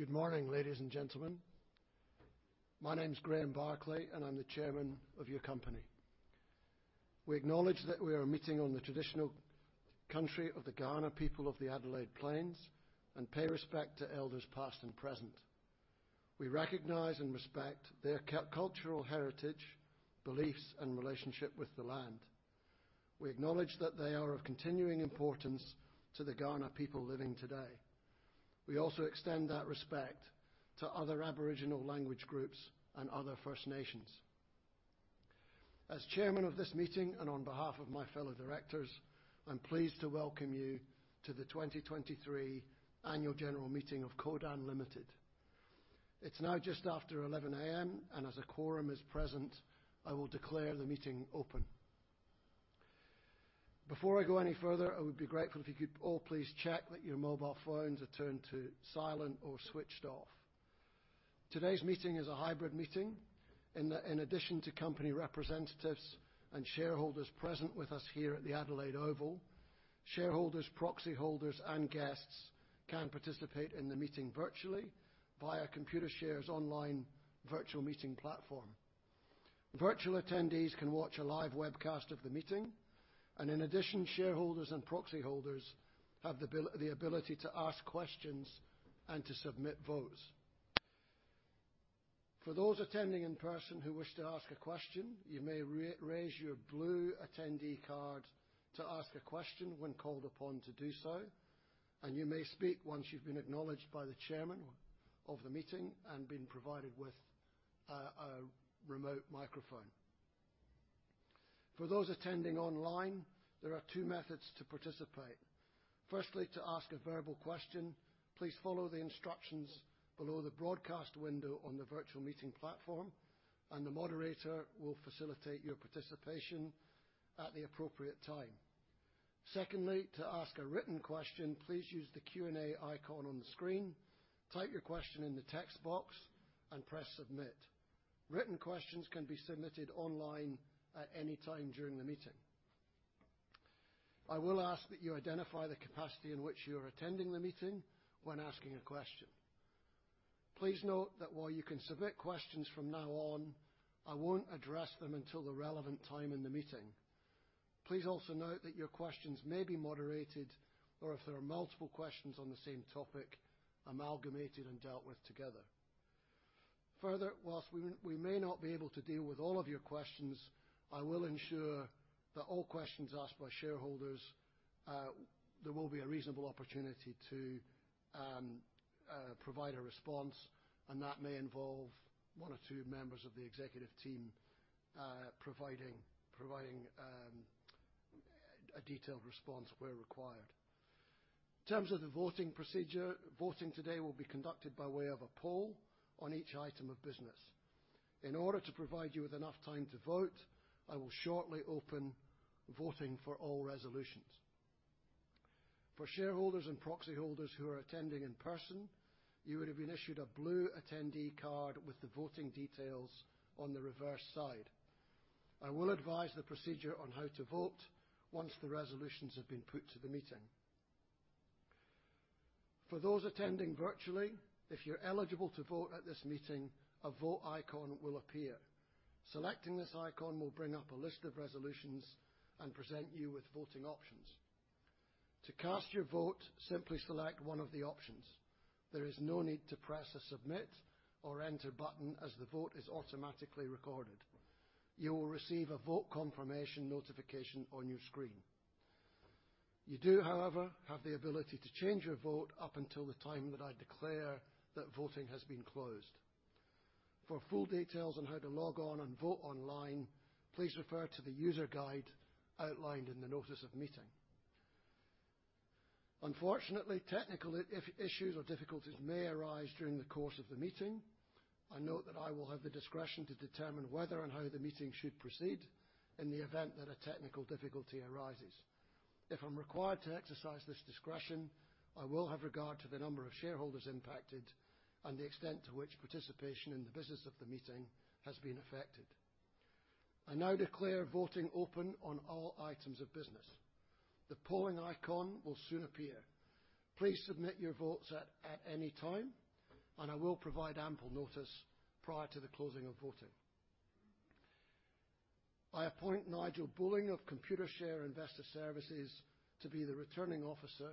Good morning, ladies and gentlemen. My name is Graeme Barclay, and I'm the Chairman of your company. We acknowledge that we are meeting on the traditional country of the Kaurna people of the Adelaide Plains and pay respect to elders, past and present. We recognize and respect their cultural heritage, beliefs, and relationship with the land. We acknowledge that they are of continuing importance to the Kaurna people living today. We also extend that respect to other Aboriginal language groups and other First Nations. As Chairman of this meeting, and on behalf of my fellow directors, I'm pleased to welcome you to the 2023 Annual General Meeting of Codan Limited. It's now just after 11 A.M., and as a quorum is present, I will declare the meeting open. Before I go any further, I would be grateful if you could all please check that your mobile phones are turned to silent or switched off. Today's meeting is a hybrid meeting. In addition to company representatives and shareholders present with us here at the Adelaide Oval, shareholders, proxy holders, and guests can participate in the meeting virtually via Computershare's online virtual meeting platform. Virtual attendees can watch a live webcast of the meeting, and in addition, shareholders and proxy holders have the ability to ask questions and to submit votes. For those attending in person who wish to ask a question, you may raise your blue attendee card to ask a question when called upon to do so, and you may speak once you've been acknowledged by the chairman of the meeting and been provided with a remote microphone. For those attending online, there are two methods to participate. Firstly, to ask a verbal question, please follow the instructions below the broadcast window on the virtual meeting platform, and the moderator will facilitate your participation at the appropriate time. Secondly, to ask a written question, please use the Q&A icon on the screen, type your question in the text box, and press “Submit”. Written questions can be submitted online at any time during the meeting. I will ask that you identify the capacity in which you are attending the meeting when asking a question. Please note that while you can submit questions from now on, I won't address them until the relevant time in the meeting. Please also note that your questions may be moderated, or if there are multiple questions on the same topic, amalgamated and dealt with together. Further, whilst we may not be able to deal with all of your questions, I will ensure that all questions asked by shareholders, there will be a reasonable opportunity to provide a response, and that may involve one or two members of the executive team providing a detailed response where required. In terms of the voting procedure, voting today will be conducted by way of a poll on each item of business. In order to provide you with enough time to vote, I will shortly open voting for all resolutions. For shareholders and proxy holders who are attending in person, you would have been issued a blue attendee card with the voting details on the reverse side. I will advise the procedure on how to vote once the resolutions have been put to the meeting. For those attending virtually, if you're eligible to vote at this meeting, a vote icon will appear. Selecting this icon will bring up a list of resolutions and present you with voting options. To cast your vote, simply select one of the options. There is no need to press the Submit or Enter button, as the vote is automatically recorded. You will receive a vote confirmation notification on your screen. You do, however, have the ability to change your vote up until the time that I declare that voting has been closed. For full details on how to log on and vote online, please refer to the user guide outlined in the notice of meeting. Unfortunately, technical issues or difficulties may arise during the course of the meeting. I note that I will have the discretion to determine whether and how the meeting should proceed in the event that a technical difficulty arises. If I'm required to exercise this discretion, I will have regard to the number of shareholders impacted and the extent to which participation in the business of the meeting has been affected. I now declare voting open on all items of business. The polling icon will soon appear. Please submit your votes at any time, and I will provide ample notice prior to the closing of voting. I appoint Nigel Bolling of Computershare Investor Services to be the Returning Officer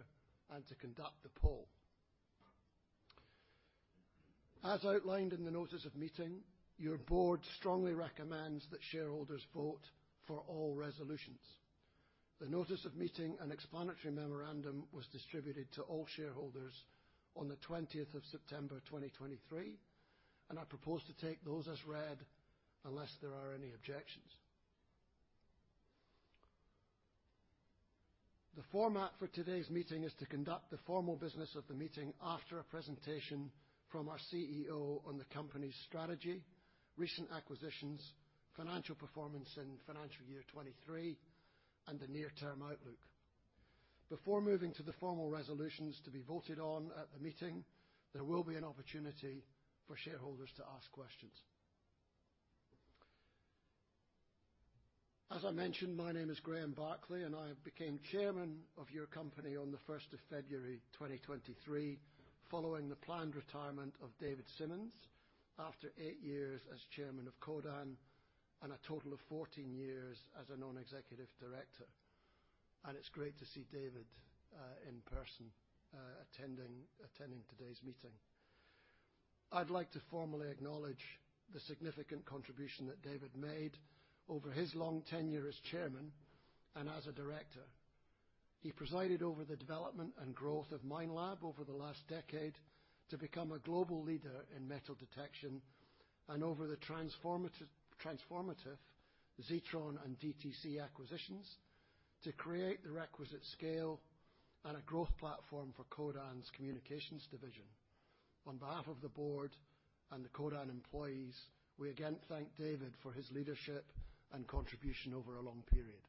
and to conduct the poll. As outlined in the notice of meeting, your board strongly recommends that shareholders vote for all resolutions. The notice of meeting and explanatory memorandum was distributed to all shareholders on the 20th of September 2023, and I propose to take those as read, unless there are any objections. The format for today's meeting is to conduct the formal business of the meeting after a presentation from our CEO on the company's strategy, recent acquisitions, financial performance in financial year 2023, and the near-term outlook. Before moving to the formal resolutions to be voted on at the meeting, there will be an opportunity for shareholders to ask questions. As I mentioned, my name is Graeme Barclay, and I became chairman of your company on the 1st of February 2023, following the planned retirement of David Simmons after 8 years as chairman of Codan and a total of 14 years as a non-executive director. And it's great to see David, in person, attending today's meeting. I'd like to formally acknowledge the significant contribution that David made over his long tenure as chairman and as a director. He presided over the development and growth of Minelab over the last decade to become a global leader in metal detection and over the transformative, transformative Zetron and DTC acquisitions to create the requisite scale and a growth platform for Codan's Communications division. On behalf of the board and the Codan employees, we again thank David for his leadership and contribution over a long period.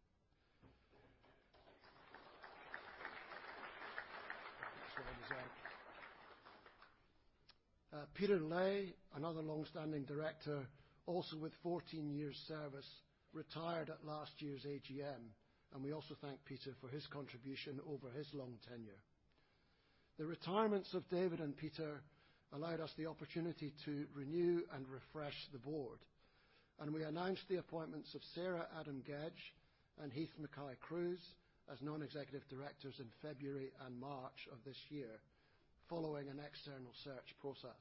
Ladies and gentlemen. Peter Leahy, another long-standing director, also with 14 years service, retired at last year's AGM, and we also thank Peter for his contribution over his long tenure. The retirements of David and Peter allowed us the opportunity to renew and refresh the board, and we announced the appointments of Sarah Adam-Gedge and Heith Mackay-Cruise as non-executive directors in February and March of this year, following an external search process.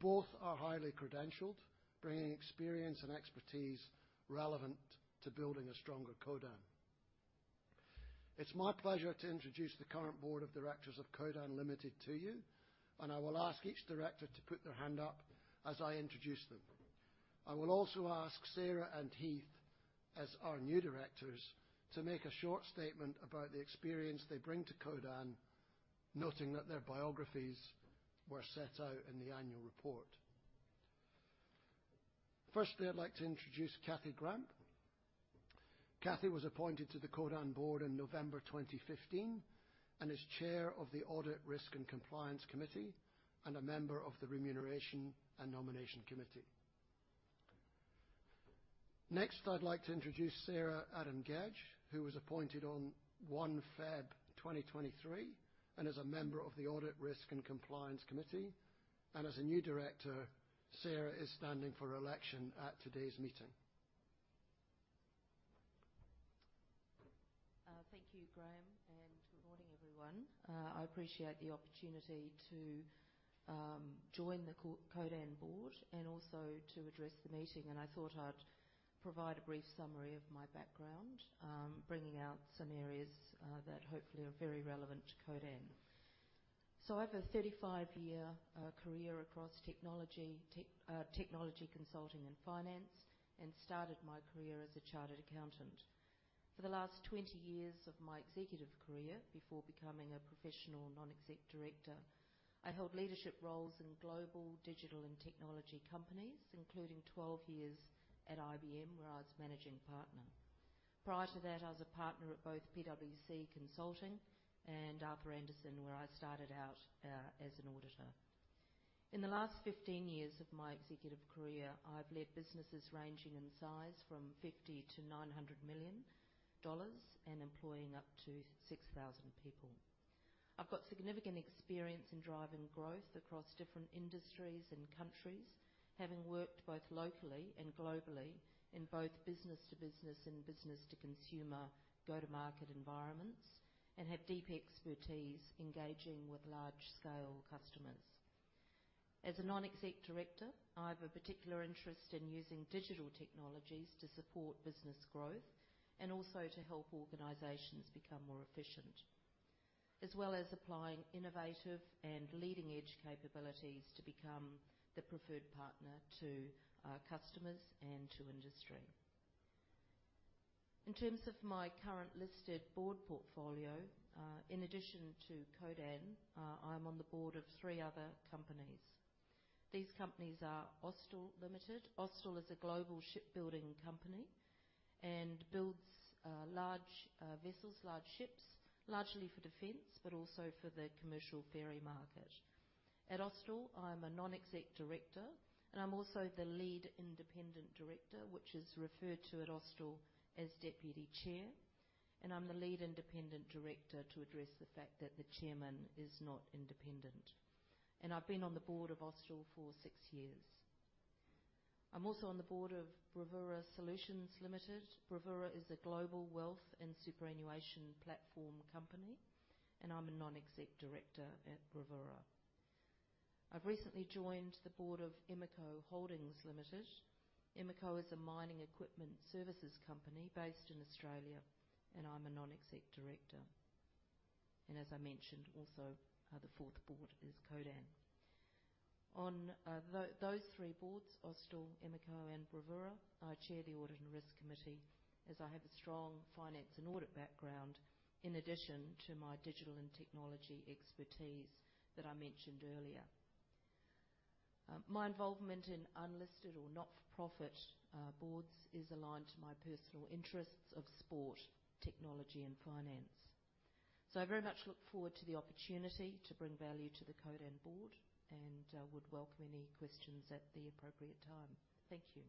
Both are highly credentialed, bringing experience and expertise relevant to building a stronger Codan. It's my pleasure to introduce the current board of directors of Codan Limited to you, and I will ask each director to put their hand up as I introduce them. I will also ask Sarah and Heith, as our new directors, to make a short statement about the experience they bring to Codan, noting that their biographies were set out in the annual report. Firstly, I'd like to introduce Kathy Gramp. Cathy was appointed to the Codan board in November 2015, and is chair of the Audit, Risk, and Compliance Committee, and a member of the Remuneration and Nomination Committee. Next, I'd like to introduce Sarah Adam-Gedge, who was appointed on 1 February 2023, and is a member of the Audit, Risk, and Compliance Committee. As a new director, Sarah is standing for election at today's meeting. Thank you, Graeme, and good morning, everyone. I appreciate the opportunity to join the Codan board and also to address the meeting, and I thought I'd provide a brief summary of my background, bringing out some areas that hopefully are very relevant to Codan. I have a 35-year career across technology, consulting, and finance, and started my career as a chartered accountant. For the last 20 years of my executive career, before becoming a professional non-exec director, I held leadership roles in global, digital, and technology companies, including 12 years at IBM, where I was managing partner. Prior to that, I was a partner at both PwC Consulting and Arthur Andersen, where I started out as an auditor. In the last 15 years of my executive career, I've led businesses ranging in size from 50 million to 900 million dollars and employing up to 6,000 people. I've got significant experience in driving growth across different industries and countries, having worked both locally and globally in both business to business and business to consumer, go-to-market environments, and have deep expertise engaging with large-scale customers. As a non-exec director, I have a particular interest in using digital technologies to support business growth and also to help organizations become more efficient, as well as applying innovative and leading-edge capabilities to become the preferred partner to, customers and to industry. In terms of my current listed board portfolio, in addition to Codan, I'm on the board of 3 other companies. These companies are Austal Limited. Austal is a global shipbuilding company and builds large vessels, large ships, largely for defense, but also for the commercial ferry market. At Austal, I'm a non-exec director, and I'm also the lead independent director, which is referred to at Austal as deputy chair, and I'm the lead independent director to address the fact that the chairman is not independent. I've been on the board of Austal for six years. I'm also on the board of Bravura Solutions Limited. Bravura is a global wealth and superannuation platform company, and I'm a non-exec director at Bravura. I've recently joined the board of Emeco Holdings Limited. Emeco is a mining equipment services company based in Australia, and I'm a non-exec director. As I mentioned, also the fourth board is Codan. Those three boards, Austal, Emeco, and Bravura, I chair the Audit and Risk Committee, as I have a strong finance and audit background, in addition to my digital and technology expertise that I mentioned earlier. My involvement in unlisted or not-for-profit boards is aligned to my personal interests of sport, technology, and finance. So I very much look forward to the opportunity to bring value to the Codan board, and would welcome any questions at the appropriate time. Thank you.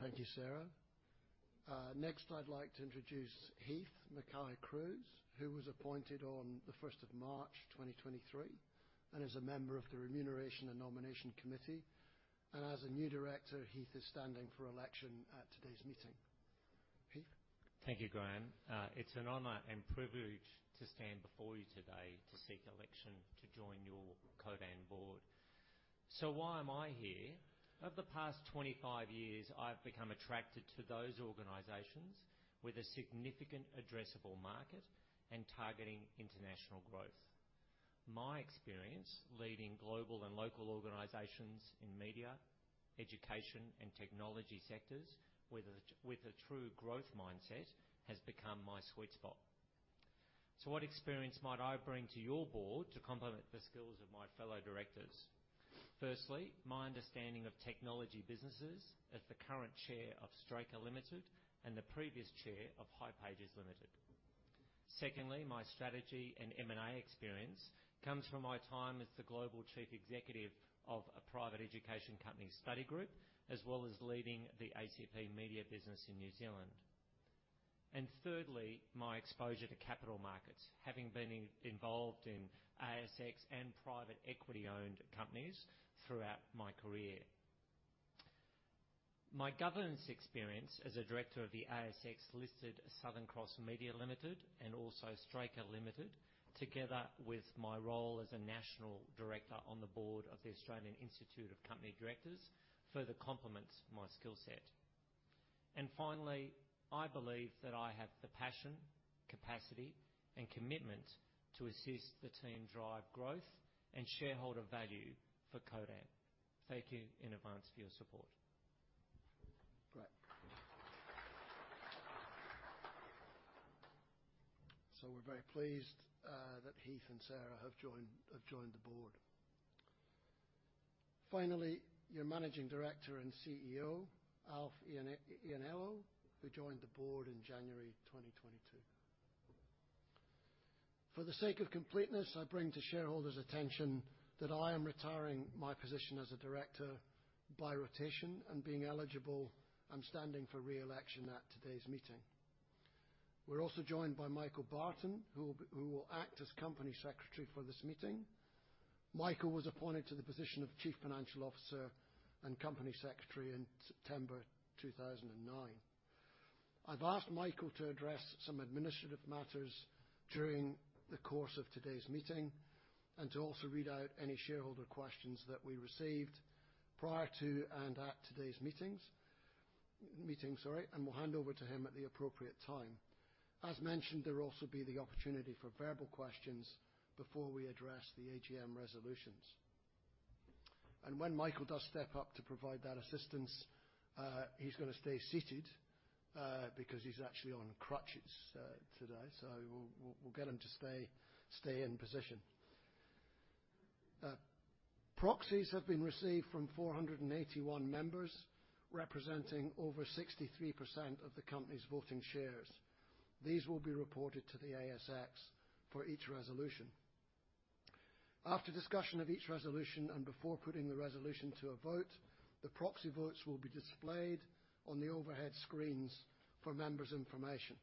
Thank you, Sarah. Next, I'd like to introduce Heith Mackay-Cruise, who was appointed on the first of March, 2023, and is a member of the Remuneration and Nomination Committee. As a new director, Heith is standing for election at today's meeting. Heith? Thank you, Graeme. It's an honor and privilege to stand before you today to seek election to join your Codan board. So why am I here? Over the past 25 years, I've become attracted to those organizations with a significant addressable market and targeting international growth. My experience leading global and local organizations in media, education, and technology sectors with a true growth mindset has become my sweet spot. So what experience might I bring to your board to complement the skills of my fellow directors? Firstly, my understanding of technology businesses as the current chair of Straker Limited and the previous chair of Hipages Limited. Secondly, my strategy and M&A experience comes from my time as the Global Chief Executive of a private education company, Study Group, as well as leading the ACP Media business in New Zealand. And thirdly, my exposure to capital markets, having been involved in ASX and private equity-owned companies throughout my career. My governance experience as a director of the ASX-listed Southern Cross Media Limited and also Straker Limited, together with my role as a national director on the board of the Australian Institute of Company Directors, further complements my skill set. And finally, I believe that I have the passion, capacity, and commitment to assist the team drive growth and shareholder value for Codan. Thank you in advance for your support. Great. So we're very pleased that Heith and Sarah have joined the board. Finally, your Managing Director and CEO, Alf Ianniello, who joined the board in January 2022. For the sake of completeness, I bring to shareholders' attention that I am retiring my position as a director by rotation, and being eligible, I'm standing for re-election at today's meeting. We're also joined by Michael Barton, who will act as company secretary for this meeting. Michael was appointed to the position of Chief Financial Officer and Company Secretary in September 2009. I've asked Michael to address some administrative matters during the course of today's meeting, and to also read out any shareholder questions that we received prior to and at today's meeting, and will hand over to him at the appropriate time. As mentioned, there will also be the opportunity for verbal questions before we address the AGM resolutions. When Michael does step up to provide that assistance, he's gonna stay seated, because he's actually on crutches today, so we'll get him to stay in position. Proxies have been received from 481 members, representing over 63% of the company's voting shares. These will be reported to the ASX for each resolution. After discussion of each resolution and before putting the resolution to a vote, the proxy votes will be displayed on the overhead screens for members' information.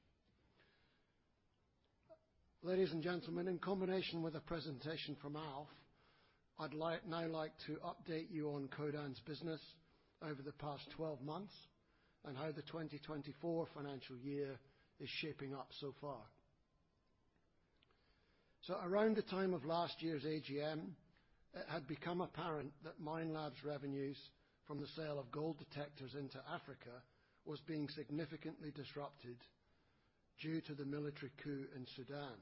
Ladies and gentlemen, in combination with a presentation from Alf, I'd like now to update you on Codan's business over the past twelve months and how the 2024 financial year is shaping up so far. So around the time of last year's AGM, it had become apparent that Minelab's revenues from the sale of gold detectors into Africa was being significantly disrupted due to the military coup in Sudan.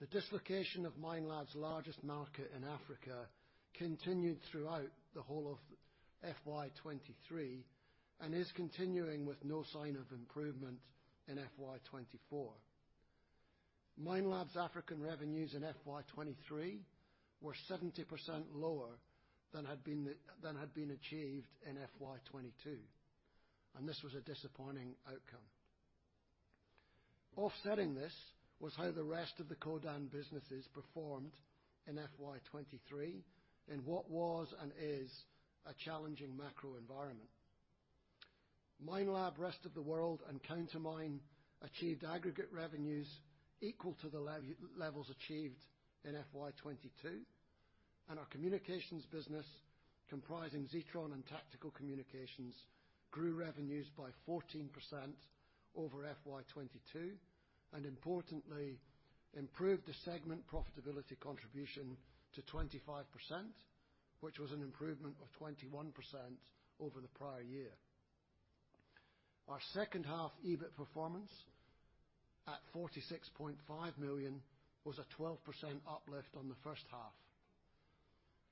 The dislocation of Minelab's largest market in Africa continued throughout the whole of FY 2023 and is continuing with no sign of improvement in FY 2024. Minelab's African revenues in FY 2023 were 70% lower than had been achieved in FY 2022, and this was a disappointing outcome. Offsetting this was how the rest of the Codan businesses performed in FY 2023, in what was and is a challenging macro environment. Minelab, Rest of the World and Countermine achieved aggregate revenues equal to the levels achieved in FY 2022, and our communications business, comprising Zetron and Tactical Communications, grew revenues by 14% over FY 2022, and importantly, improved the segment profitability contribution to 25%, which was an improvement of 21% over the prior year. Our second half EBIT performance at 46.5 million was a 12% uplift on the first half,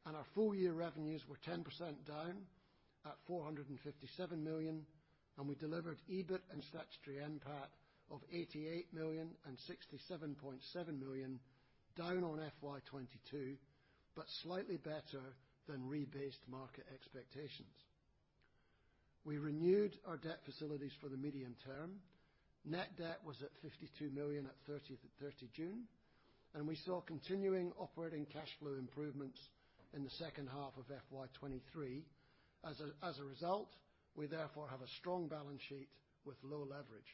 and our full year revenues were 10% down at 457 million, and we delivered EBIT and statutory NPAT of 88 million and 67.7 million, down on FY 2022 but slightly better than rebased market expectations. We renewed our debt facilities for the medium term. Net debt was at 52 million at 30 June, and we saw continuing operating cash flow improvements in the second half of FY 2023. As a result, we therefore have a strong balance sheet with low leverage.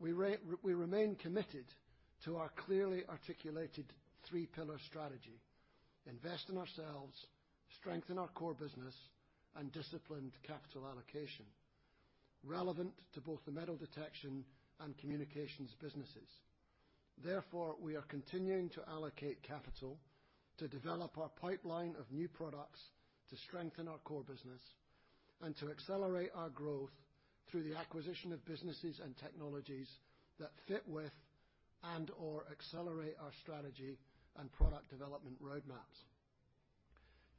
We remain committed to our clearly articulated three-pillar strategy: invest in ourselves, strengthen our core business, and disciplined capital allocation, relevant to both the metal detection and communications businesses. Therefore, we are continuing to allocate capital to develop our pipeline of new products, to strengthen our core business, and to accelerate our growth through the acquisition of businesses and technologies that fit with and/or accelerate our strategy and product development roadmaps.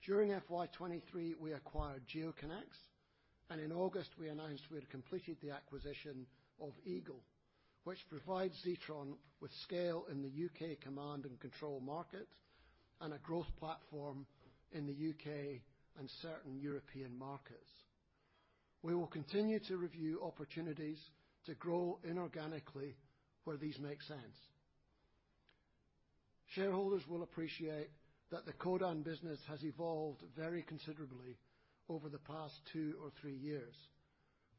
During FY 2023, we acquired GeoConex, and in August, we announced we had completed the acquisition of Eagle, which provides Zetron with scale in the UK command and control market and a growth platform in the UK and certain European markets. We will continue to review opportunities to grow inorganically where these make sense. Shareholders will appreciate that the Codan business has evolved very considerably over the past two or three years.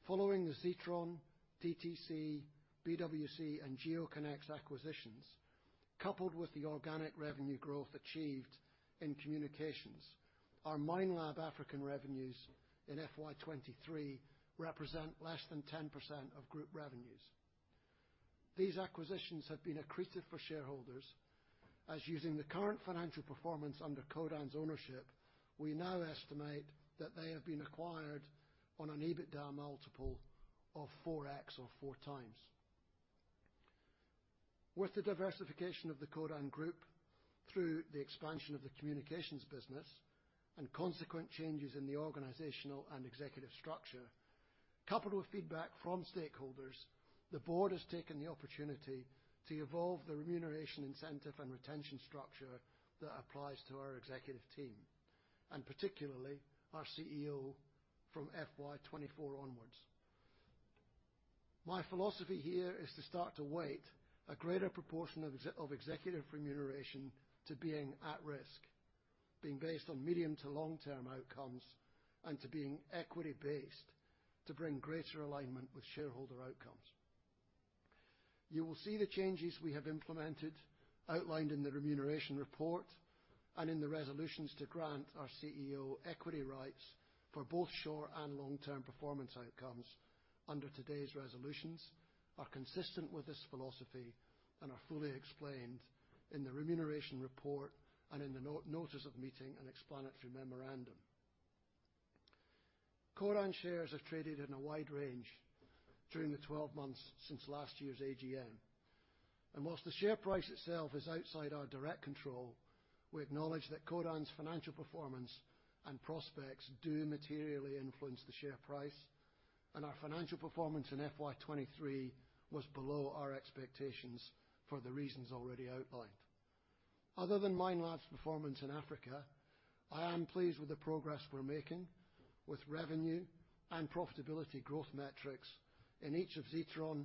Following the Zetron, DTC, BWC, and GeoConex acquisitions, coupled with the organic revenue growth achieved in communications, our Minelab African revenues in FY 2023 represent less than 10% of group revenues. These acquisitions have been accretive for shareholders, as using the current financial performance under Codan's ownership, we now estimate that they have been acquired on an EBITDA multiple of 4x. With the diversification of the Codan group through the expansion of the communications business and consequent changes in the organizational and executive structure, coupled with feedback from stakeholders, the board has taken the opportunity to evolve the remuneration, incentive, and retention structure that applies to our executive team, and particularly our CEO from FY 2024 onwards. My philosophy here is to start to weight a greater proportion of of executive remuneration to being at risk, being based on medium to long-term outcomes, and to being equity-based to bring greater alignment with shareholder outcomes. You will see the changes we have implemented outlined in the remuneration report and in the resolutions to grant our CEO equity rights for both short and long-term performance outcomes under today's resolutions are consistent with this philosophy and are fully explained in the remuneration report and in the notice of meeting and explanatory memorandum. Codan shares have traded in a wide range during the 12 months since last year's AGM. While the share price itself is outside our direct control, we acknowledge that Codan's financial performance and prospects do materially influence the share price, and our financial performance in FY 2023 was below our expectations for the reasons already outlined. Other than Minelab's performance in Africa, I am pleased with the progress we're making with revenue and profitability growth metrics in each of Zetron,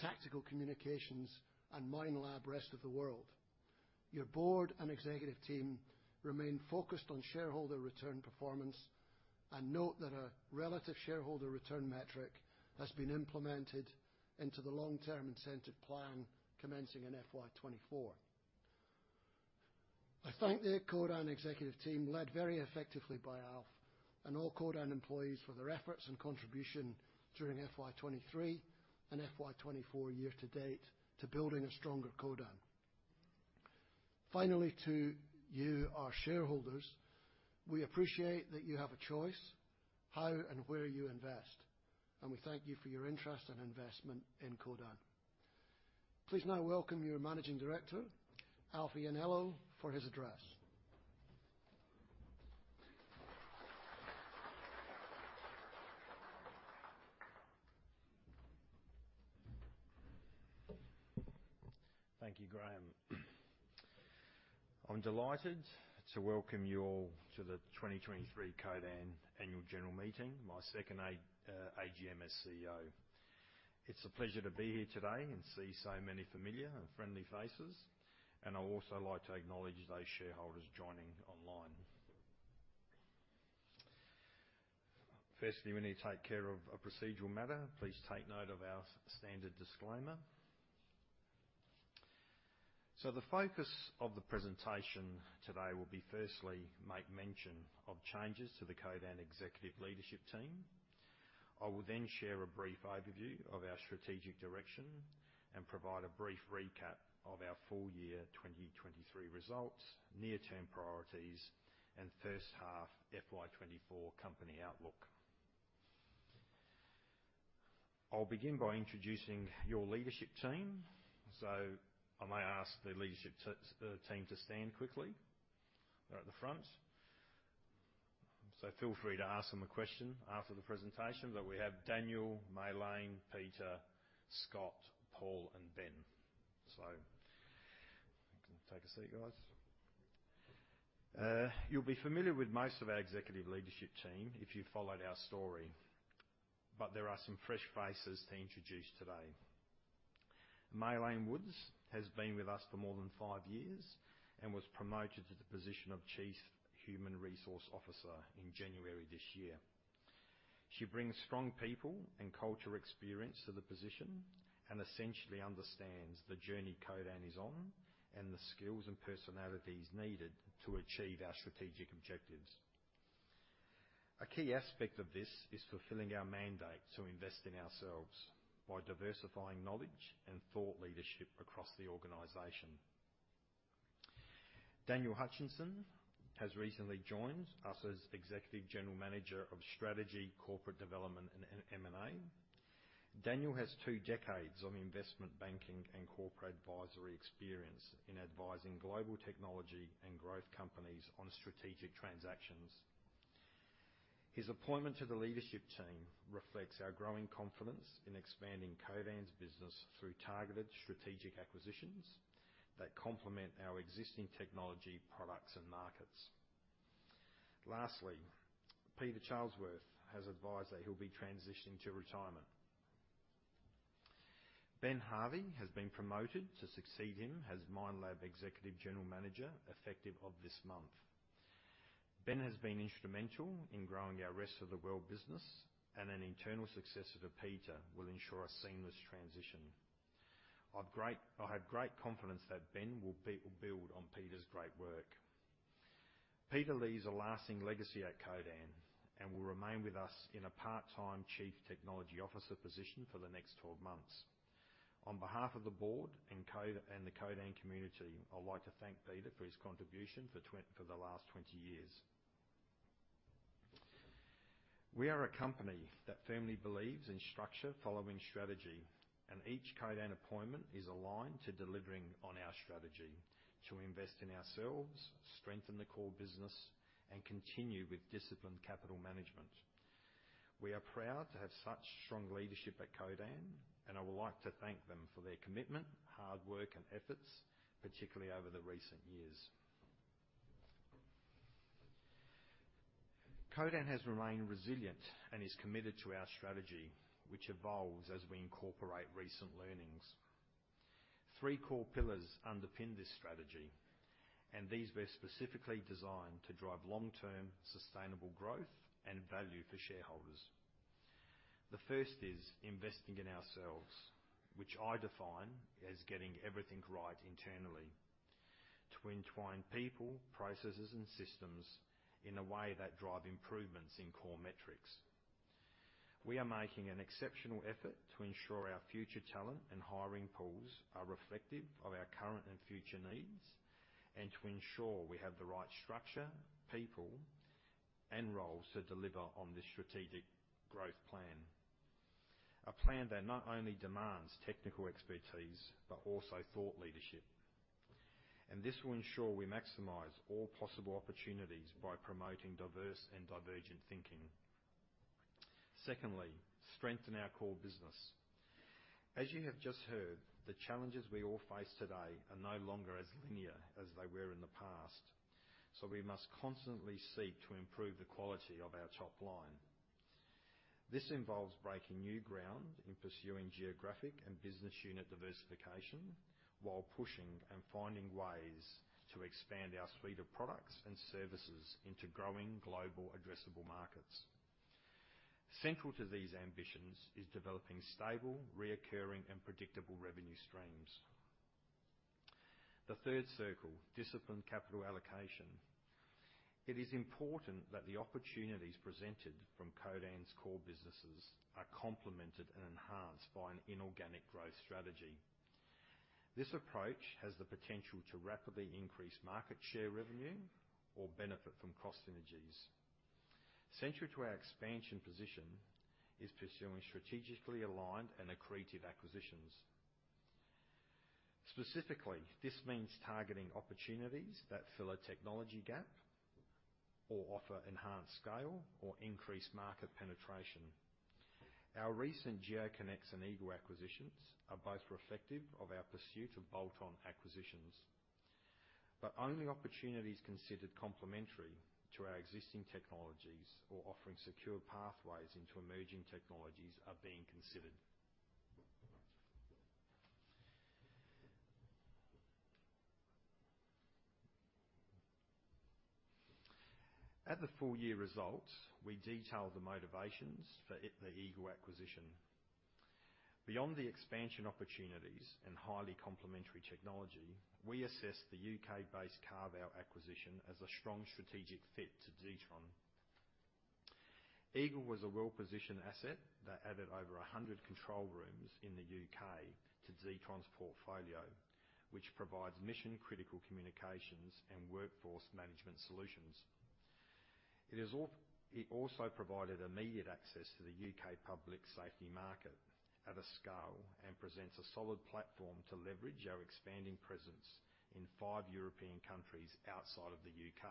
Tactical Communications, and Minelab, Rest of the World. Your board and executive team remain focused on shareholder return performance and note that a relative shareholder return metric has been implemented into the long-term incentive plan commencing in FY 2024. I thank the Codan executive team, led very effectively by Alf, and all Codan employees for their efforts and contribution during FY 2023 and FY 2024 year to date to building a stronger Codan. Finally, to you, our shareholders, we appreciate that you have a choice how and where you invest, and we thank you for your interest and investment in Codan. Please now welcome your Managing Director, Alf Ianniello, for his address. Thank you, Graeme. I'm delighted to welcome you all to the 2023 Codan Annual General Meeting, my second AGM as CEO. It's a pleasure to be here today and see so many familiar and friendly faces, and I'd also like to acknowledge those shareholders joining online. Firstly, we need to take care of a procedural matter. Please take note of our standard disclaimer. The focus of the presentation today will be, firstly, make mention of changes to the Codan executive leadership team. I will then share a brief overview of our strategic direction and provide a brief recap of our full year 2023 results, near-term priorities, and first half FY 2024 company outlook. I'll begin by introducing your leadership team. I may ask the leadership team to stand quickly. They're at the front. So feel free to ask them a question after the presentation. But we have Daniel, Mai-Lan, Peter, Scott, Paul, and Ben. So take a seat, guys. You'll be familiar with most of our executive leadership team if you've followed our story, but there are some fresh faces to introduce today. Mai-Lan Woods has been with us for more than five years and was promoted to the position of Chief Human Resources Officer in January this year. She brings strong people and culture experience to the position and essentially understands the journey Codan is on and the skills and personalities needed to achieve our strategic objectives. A key aspect of this is fulfilling our mandate to invest in ourselves by diversifying knowledge and thought leadership across the organization. Daniel Hutchinson has recently joined us as Executive General Manager of Strategy, Corporate Development, and M&A. Daniel has two decades of investment banking and corporate advisory experience in advising global technology and growth companies on strategic transactions. His appointment to the leadership team reflects our growing confidence in expanding Codan's business through targeted strategic acquisitions that complement our existing technology, products, and markets. Lastly, Peter Charlesworth has advised that he'll be transitioning to retirement. Ben Harvey has been promoted to succeed him as Minelab Executive General Manager, effective of this month. Ben has been instrumental in growing our Rest of the World business, and an internal successor to Peter will ensure a seamless transition. I have great confidence that Ben will build on Peter's great work. Peter leaves a lasting legacy at Codan and will remain with us in a part-time Chief Technology Officer position for the next 12 months. On behalf of the board and Codan and the Codan community, I'd like to thank Peter for his contribution for the last 20 years. We are a company that firmly believes in structure following strategy, and each Codan appointment is aligned to delivering on our strategy: to invest in ourselves, strengthen the core business, and continue with disciplined capital management. We are proud to have such strong leadership at Codan, and I would like to thank them for their commitment, hard work, and efforts, particularly over the recent years. Codan has remained resilient and is committed to our strategy, which evolves as we incorporate recent learnings. Three core pillars underpin this strategy, and these were specifically designed to drive long-term sustainable growth and value for shareholders. The first is investing in ourselves, which I define as getting everything right internally, to entwine people, processes, and systems in a way that drive improvements in core metrics. We are making an exceptional effort to ensure our future talent and hiring pools are reflective of our current and future needs, and to ensure we have the right structure, people, and roles to deliver on this strategic growth plan. A plan that not only demands technical expertise, but also thought leadership, and this will ensure we maximize all possible opportunities by promoting diverse and divergent thinking. Secondly, strengthen our core business. As you have just heard, the challenges we all face today are no longer as linear as they were in the past, so we must constantly seek to improve the quality of our top line. This involves breaking new ground in pursuing geographic and business unit diversification, while pushing and finding ways to expand our suite of products and services into growing global addressable markets. Central to these ambitions is developing stable, recurring, and predictable revenue streams. The third circle: disciplined capital allocation. It is important that the opportunities presented from Codan's core businesses are complemented and enhanced by an inorganic growth strategy. This approach has the potential to rapidly increase market share revenue or benefit from cost synergies. Central to our expansion position is pursuing strategically aligned and accretive acquisitions. Specifically, this means targeting opportunities that fill a technology gap or offer enhanced scale or increased market penetration. Our recent GeoConex and Eagle acquisitions are both reflective of our pursuit of bolt-on acquisitions, but only opportunities considered complementary to our existing technologies or offering secure pathways into emerging technologies are being considered. At the full year results, we detailed the motivations for the Eagle acquisition. Beyond the expansion opportunities and highly complementary technology, we assessed the U.K.-based carve-out acquisition as a strong strategic fit to Zetron. Eagle was a well-positioned asset that added over 100 control rooms in the U.K. to Zetron's portfolio, which provides mission-critical communications and workforce management solutions. It also provided immediate access to the U.K. public safety market at a scale and presents a solid platform to leverage our expanding presence in five European countries outside of the U.K.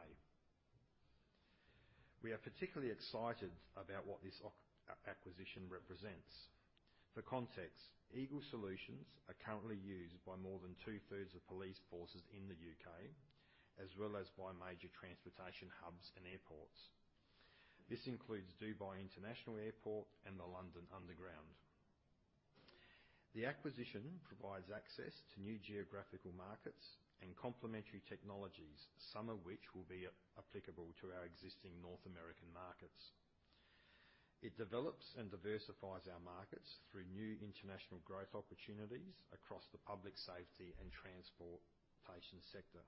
We are particularly excited about what this acquisition represents. For context, Eagle Solutions are currently used by more than two-thirds of police forces in the U.K., as well as by major transportation hubs and airports. This includes Dubai International Airport and the London Underground. The acquisition provides access to new geographical markets and complementary technologies, some of which will be applicable to our existing North American markets. It develops and diversifies our markets through new international growth opportunities across the public safety and transportation sector.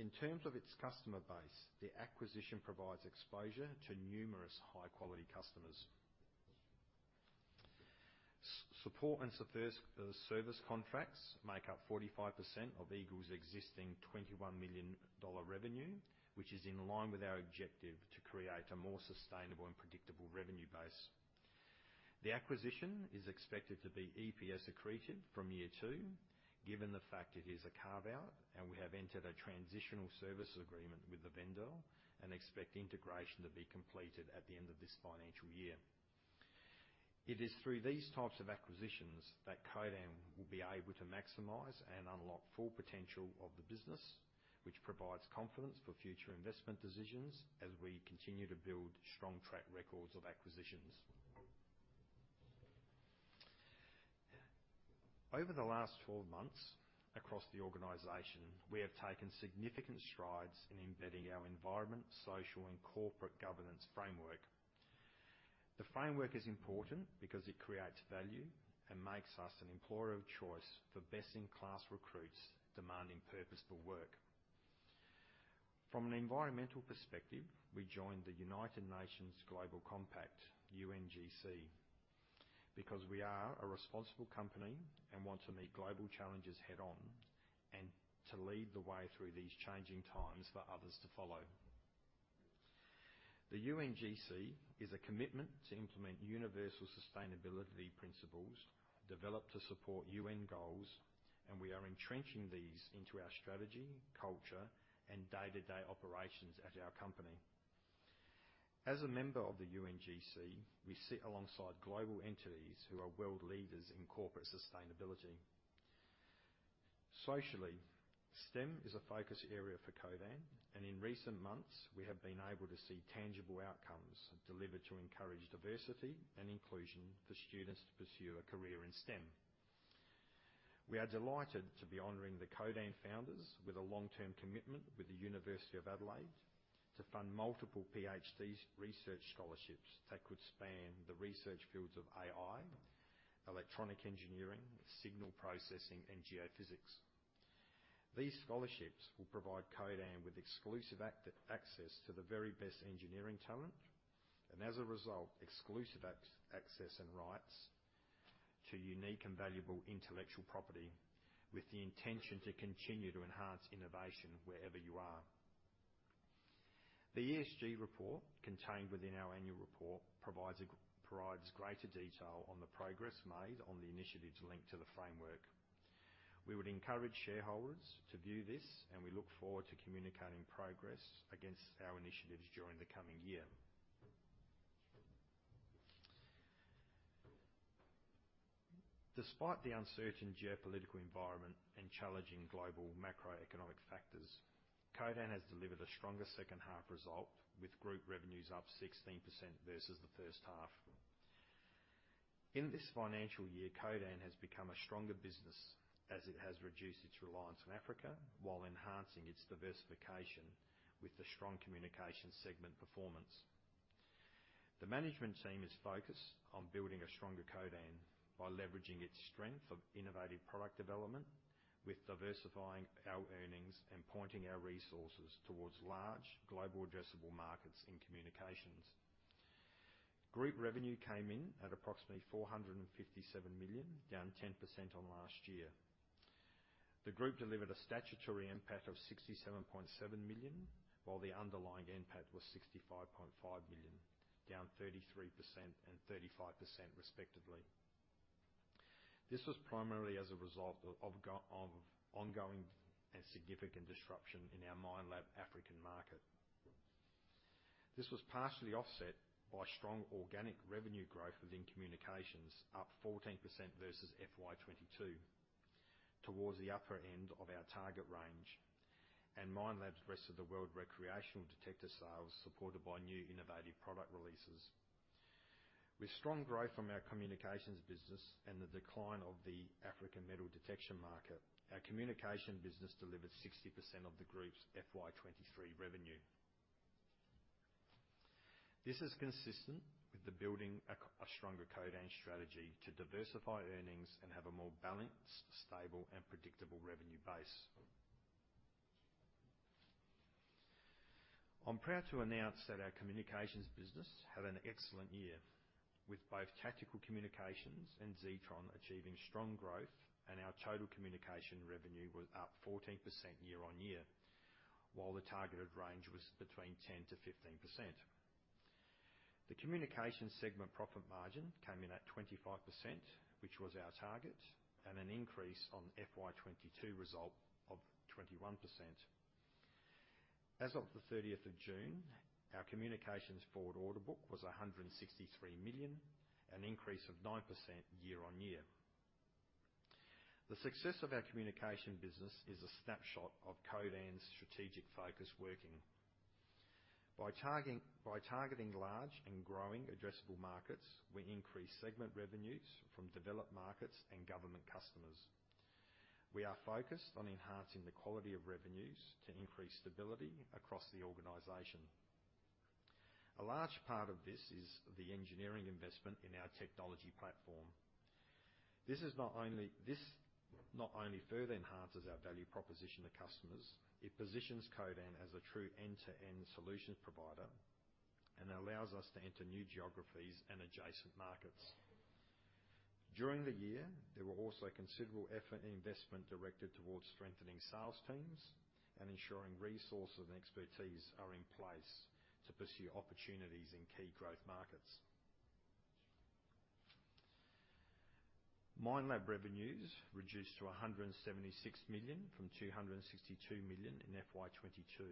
In terms of its customer base, the acquisition provides exposure to numerous high-quality customers. Support and service, service contracts make up 45% of Eagle's existing $21 million revenue, which is in line with our objective to create a more sustainable and predictable revenue base. The acquisition is expected to be EPS accretive from year two, given the fact it is a carve-out, and we have entered a transitional service agreement with the vendor and expect integration to be completed at the end of this financial year. It is through these types of acquisitions that Codan will be able to maximize and unlock full potential of the business, which provides confidence for future investment decisions as we continue to build strong track records of acquisitions. Over the last 12 months across the organization, we have taken significant strides in embedding our environment, social, and corporate governance framework. The framework is important because it creates value and makes us an employer of choice for best-in-class recruits demanding purposeful work. From an environmental perspective, we joined the United Nations Global Compact, UNGC, because we are a responsible company and want to meet global challenges head-on, and to lead the way through these changing times for others to follow. The UNGC is a commitment to implement universal sustainability principles developed to support UN goals, and we are entrenching these into our strategy, culture, and day-to-day operations at our company. As a member of the UNGC, we sit alongside global entities who are world leaders in corporate sustainability. Socially, STEM is a focus area for Codan, and in recent months, we have been able to see tangible outcomes delivered to encourage diversity and inclusion for students to pursue a career in STEM. We are delighted to be honoring the Codan founders with a long-term commitment with the University of Adelaide to fund multiple PhD research scholarships that could span the research fields of AI, electronic engineering, signal processing, and geophysics. These scholarships will provide Codan with exclusive access to the very best engineering talent, and as a result, exclusive access and rights to unique and valuable intellectual property, with the intention to continue to enhance innovation wherever you are. The ESG report, contained within our annual report, provides greater detail on the progress made on the initiatives linked to the framework. We would encourage shareholders to view this, and we look forward to communicating progress against our initiatives during the coming year. Despite the uncertain geopolitical environment and challenging global macroeconomic factors, Codan has delivered a stronger second half result, with group revenues up 16% versus the first half. In this financial year, Codan has become a stronger business as it has reduced its reliance on Africa while enhancing its diversification with the strong communications segment performance. The management team is focused on building a stronger Codan by leveraging its strength of innovative product development with diversifying our earnings and pointing our resources towards large global addressable markets in communications. Group revenue came in at approximately 457 million, down 10% on last year. The group delivered a statutory NPAT of 67.7 million, while the underlying NPAT was 65.5 million, down 33% and 35% respectively. This was primarily as a result of ongoing and significant disruption in our Minelab African market. This was partially offset by strong organic revenue growth within communications, up 14% versus FY 2022, towards the upper end of our target range, and Minelab's Rest of the World recreational detector sales supported by new innovative product releases. With strong growth from our communications business and the decline of the African metal detection market, our communication business delivered 60% of the group's FY 2023 revenue. This is consistent with building a stronger Codan strategy to diversify earnings and have a more balanced, stable, and predictable revenue base. I'm proud to announce that our communications business had an excellent year, with both Tactical Communications and Zetron achieving strong growth, and our total communication revenue was up 14% year-on-year, while the targeted range was between 10%-15%. The communications segment profit margin came in at 25%, which was our target, and an increase on FY 2022 result of 21%. As of the thirtieth of June, our communications forward order book was 163 million, an increase of 9% year-on-year. The success of our communication business is a snapshot of Codan's strategic focus working. By targeting large and growing addressable markets, we increase segment revenues from developed markets and government customers. We are focused on enhancing the quality of revenues to increase stability across the organization. A large part of this is the engineering investment in our technology platform. This is not only, this not only further enhances our value proposition to customers, it positions Codan as a true end-to-end solutions provider and allows us to enter new geographies and adjacent markets. During the year, there were also considerable effort and investment directed towards strengthening sales teams and ensuring resources and expertise are in place to pursue opportunities in key growth markets. Minelab revenues reduced to 176 million from 262 million in FY 2022.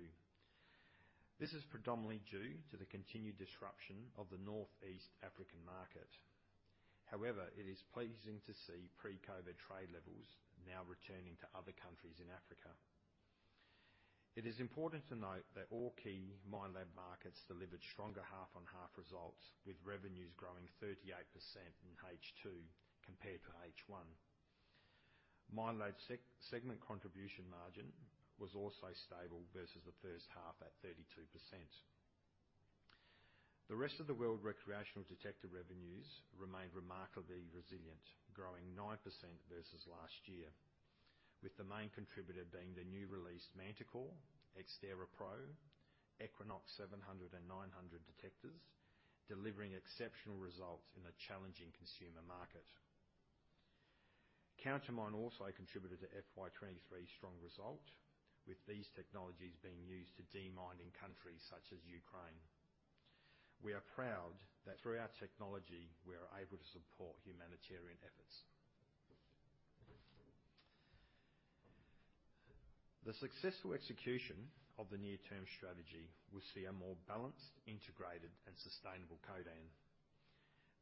This is predominantly due to the continued disruption of the Northeast African market. However, it is pleasing to see pre-COVID trade levels now returning to other countries in Africa. It is important to note that all key Minelab markets delivered stronger half-on-half results, with revenues growing 38% in H2 compared to H1. Minelab segment contribution margin was also stable versus the first half at 32%. The Rest of the World Recreational Detector Revenues remained remarkably resilient, growing 9% versus last year, with the main contributor being the new released Manticore, X-Terra Pro, Equinox 700 and 900 detectors, delivering exceptional results in a challenging consumer market. Countermine also contributed to FY 2023's strong result, with these technologies being used to de-mining countries such as Ukraine. We are proud that through our technology, we are able to support humanitarian efforts. The successful execution of the near-term strategy will see a more balanced, integrated, and sustainable Codan.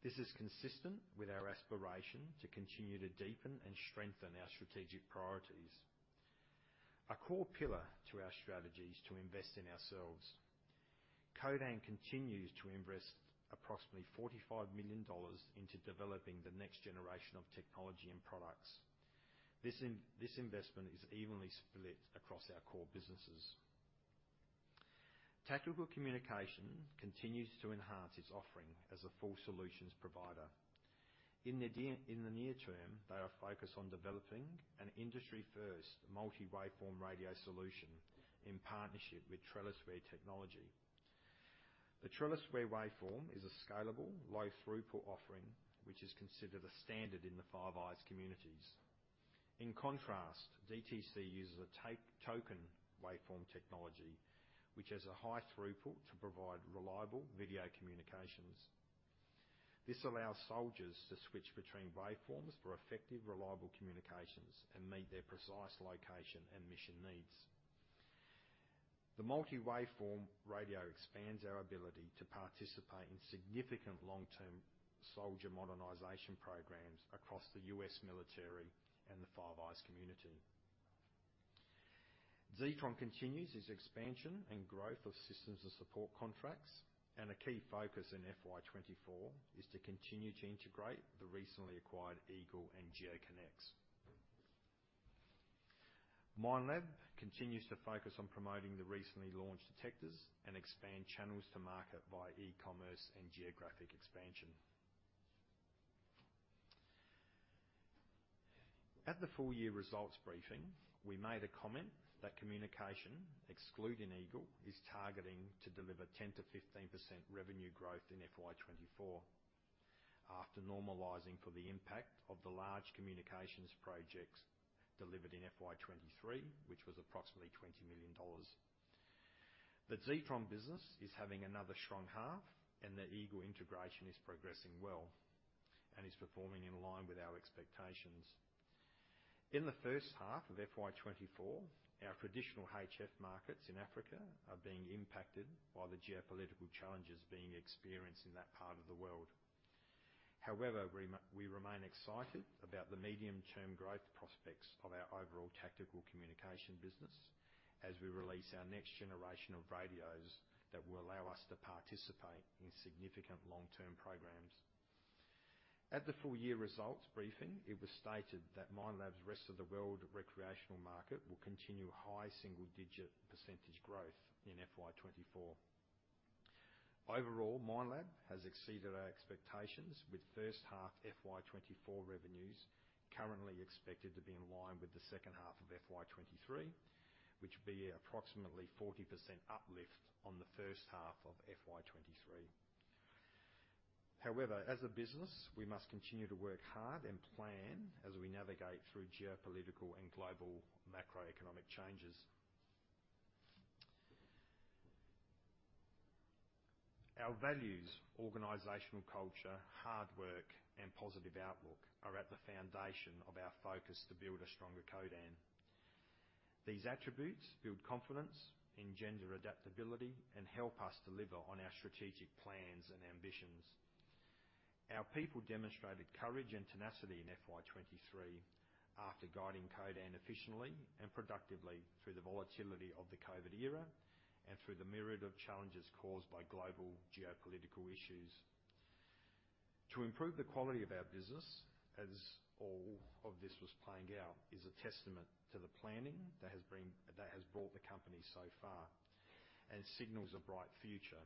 This is consistent with our aspiration to continue to deepen and strengthen our strategic priorities. A core pillar to our strategy is to invest in ourselves. Codan continues to invest approximately 45 million dollars into developing the next generation of technology and products. This investment is evenly split across our core businesses. Tactical Communication continues to enhance its offering as a full solutions provider. In the near term, they are focused on developing an industry-first multiwaveform radio solution in partnership with TrellisWare Technologies. The TrellisWare Waveform is a scalable, low-throughput offering, which is considered the standard in the Five Eyes communities. In contrast, DTC uses a token waveform technology, which has a high throughput to provide reliable video communications. This allows soldiers to switch between waveforms for effective, reliable communications and meet their precise location and mission needs. The multiwaveform radio expands our ability to participate in significant long-term soldier modernization programs across the U.S. military and the Five Eyes community. Zetron continues its expansion and growth of systems and support contracts, and a key focus in FY 2024 is to continue to integrate the recently acquired Eagle and GeoConex. Minelab continues to focus on promoting the recently launched detectors and expand channels to market by e-commerce and geographic expansion. At the full-year results briefing, we made a comment that communication, excluding Eagle, is targeting to deliver 10%-15% revenue growth in FY 2024, after normalizing for the impact of the large communications projects delivered in FY 2023, which was approximately 20 million dollars. The Zetron business is having another strong half, and the Eagle integration is progressing well and is performing in line with our expectations. In the first half of FY 2024, our traditional HF markets in Africa are being impacted by the geopolitical challenges being experienced in that part of the world. However, we remain excited about the medium-term growth prospects of our overall tactical communication business, as we release our next generation of radios that will allow us to participate in significant long-term programs. At the full-year results briefing, it was stated that Minelab's Rest of the World Recreational Market will continue high single-digit % growth in FY 2024. Overall, Minelab has exceeded our expectations, with first half FY 2024 revenues currently expected to be in line with the second half of FY 2023, which will be approximately 40% uplift on the first half of FY 2023. However, as a business, we must continue to work hard and plan as we navigate through geopolitical and global macroeconomic changes. Our values, organizational culture, hard work, and positive outlook are at the foundation of our focus to build a stronger Codan. These attributes build confidence, engender adaptability, and help us deliver on our strategic plans and ambitions. Our people demonstrated courage and tenacity in FY 2023 after guiding Codan efficiently and productively through the volatility of the COVID era and through the myriad of challenges caused by global geopolitical issues. To improve the quality of our business, as all of this was playing out, is a testament to the planning that has brought the company so far and signals a bright future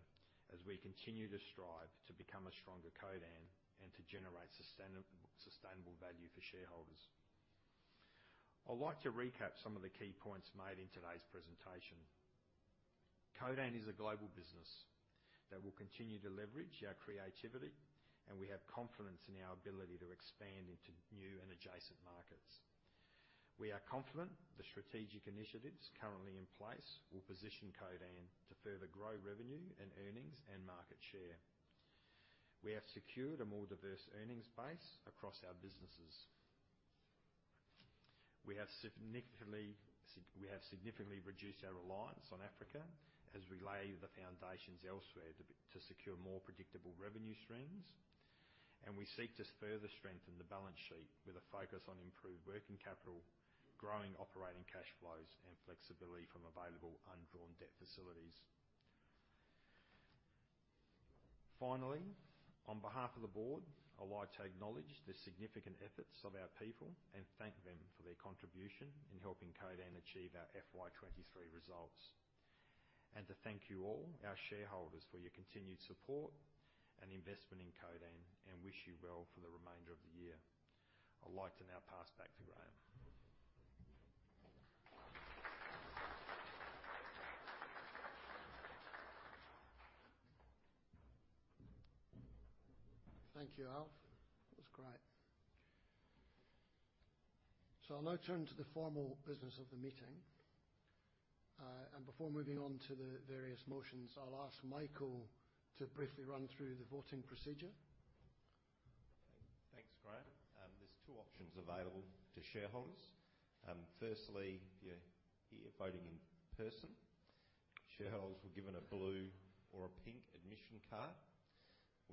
as we continue to strive to become a stronger Codan and to generate sustainable value for shareholders. I'd like to recap some of the key points made in today's presentation. Codan is a global business that will continue to leverage our creativity, and we have confidence in our ability to expand into new and adjacent markets. We are confident the strategic initiatives currently in place will position Codan to further grow revenue and earnings and market share. We have secured a more diverse earnings base across our businesses. We have significantly reduced our reliance on Africa as we lay the foundations elsewhere to secure more predictable revenue streams. We seek to further strengthen the balance sheet with a focus on improved working capital, growing operating cash flows, and flexibility from available undrawn debt facilities. Finally, on behalf of the board, I'd like to acknowledge the significant efforts of our people and thank them for their contribution in helping Codan achieve our FY 2023 results, and to thank you all, our shareholders, for your continued support and investment in Codan, and wish you well for the remainder of the year. I'd like to now pass back to Graeme. Thank you, Alf. That was great. So I'd now turn to the formal business of the meeting. And before moving on to the various motions, I'll ask Michael to briefly run through the voting procedure. Thanks, Graeme. There's two options available to shareholders. Firstly, if you're here voting in person, shareholders were given a blue or a pink admission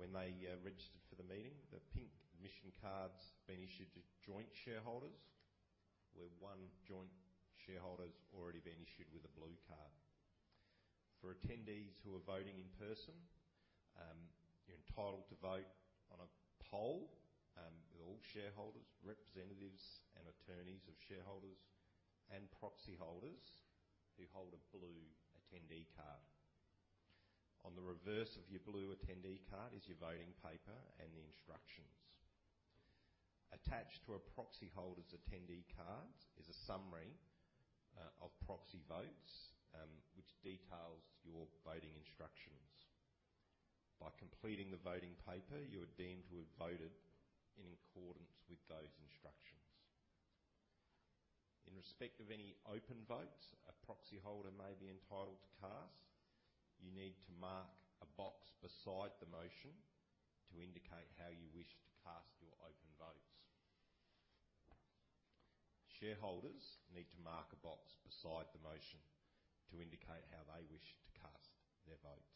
card when they registered for the meeting. The pink admission cards have been issued to joint shareholders, where one joint shareholder's already been issued with a blue card. For attendees who are voting in person, you're entitled to vote on a poll with all shareholders, representatives, and attorneys of shareholders and proxy holders who hold a blue attendee card. On the reverse of your blue attendee card is your voting paper and the instructions. Attached to a proxy holder's attendee cards is a summary of proxy votes, which details your voting instructions. By completing the voting paper, you are deemed to have voted in accordance with those instructions. In respect of any open votes a proxy holder may be entitled to cast, you need to mark a box beside the motion to indicate how you wish to cast your open votes. Shareholders need to mark a box beside the motion to indicate how they wish to cast their votes.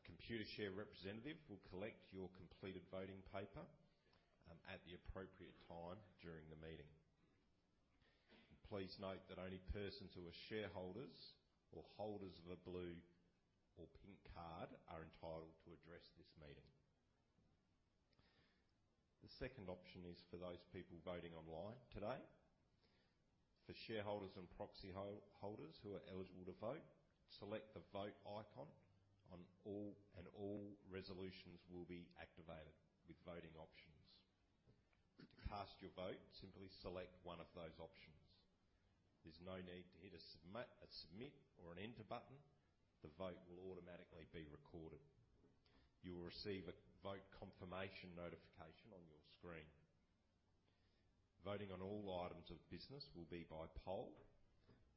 A Computershare representative will collect your completed voting paper at the appropriate time during the meeting. Please note that only persons who are shareholders or holders of a blue or pink card are entitled to address this meeting. The second option is for those people voting online today. For shareholders and proxy holders who are eligible to vote, select the Vote icon and all resolutions will be activated with voting options. To cast your vote, simply select one of those options. There's no need to hit a Submit or an Enter button. The vote will automatically be recorded. You will receive a vote confirmation notification on your screen. Voting on all items of business will be by poll.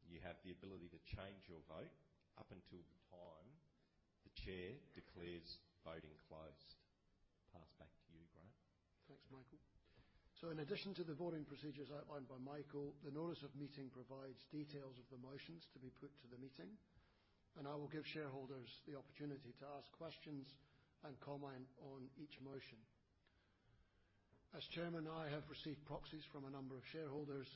You have the ability to change your vote up until the time the chair declares voting closed. Pass back to you, Graeme. Thanks, Michael. So in addition to the voting procedures outlined by Michael, the notice of meeting provides details of the motions to be put to the meeting, and I will give shareholders the opportunity to ask questions and comment on each motion. As Chairman, I have received proxies from a number of shareholders,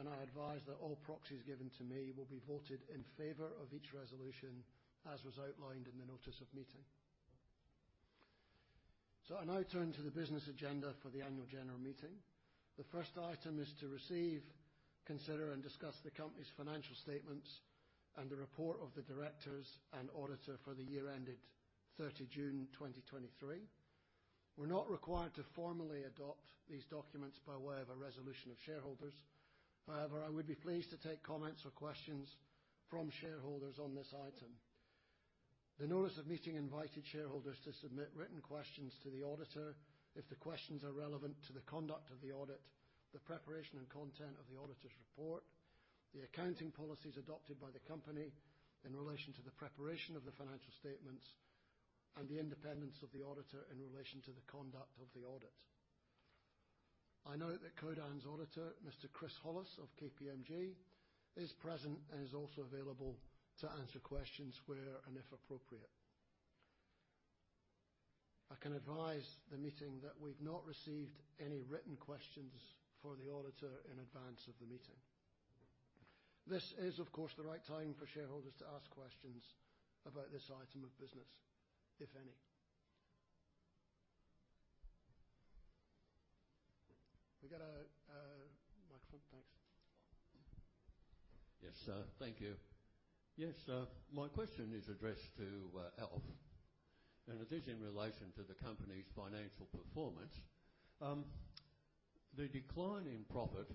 and I advise that all proxies given to me will be voted in favor of each resolution, as was outlined in the notice of meeting. So I now turn to the business agenda for the annual general meeting. The first item is to receive, consider, and discuss the company's financial statements and the report of the directors and auditor for the year ended 30 June 2023. We're not required to formally adopt these documents by way of a resolution of shareholders. However, I would be pleased to take comments or questions from shareholders on this item. The notice of meeting invited shareholders to submit written questions to the auditor if the questions are relevant to the conduct of the audit, the preparation and content of the auditor's report, the accounting policies adopted by the company in relation to the preparation of the financial statements, and the independence of the auditor in relation to the conduct of the audit. I know that Codan's auditor, Mr. Chris Hollis of KPMG, is present and is also available to answer questions where and if appropriate. I can advise the meeting that we've not received any written questions for the auditor in advance of the meeting. This is, of course, the right time for shareholders to ask questions about this item of business, if any. We got a microphone? Thanks. Yes, sir. Thank you. Yes, my question is addressed to Alf, and it is in relation to the company's financial performance. The decline in profit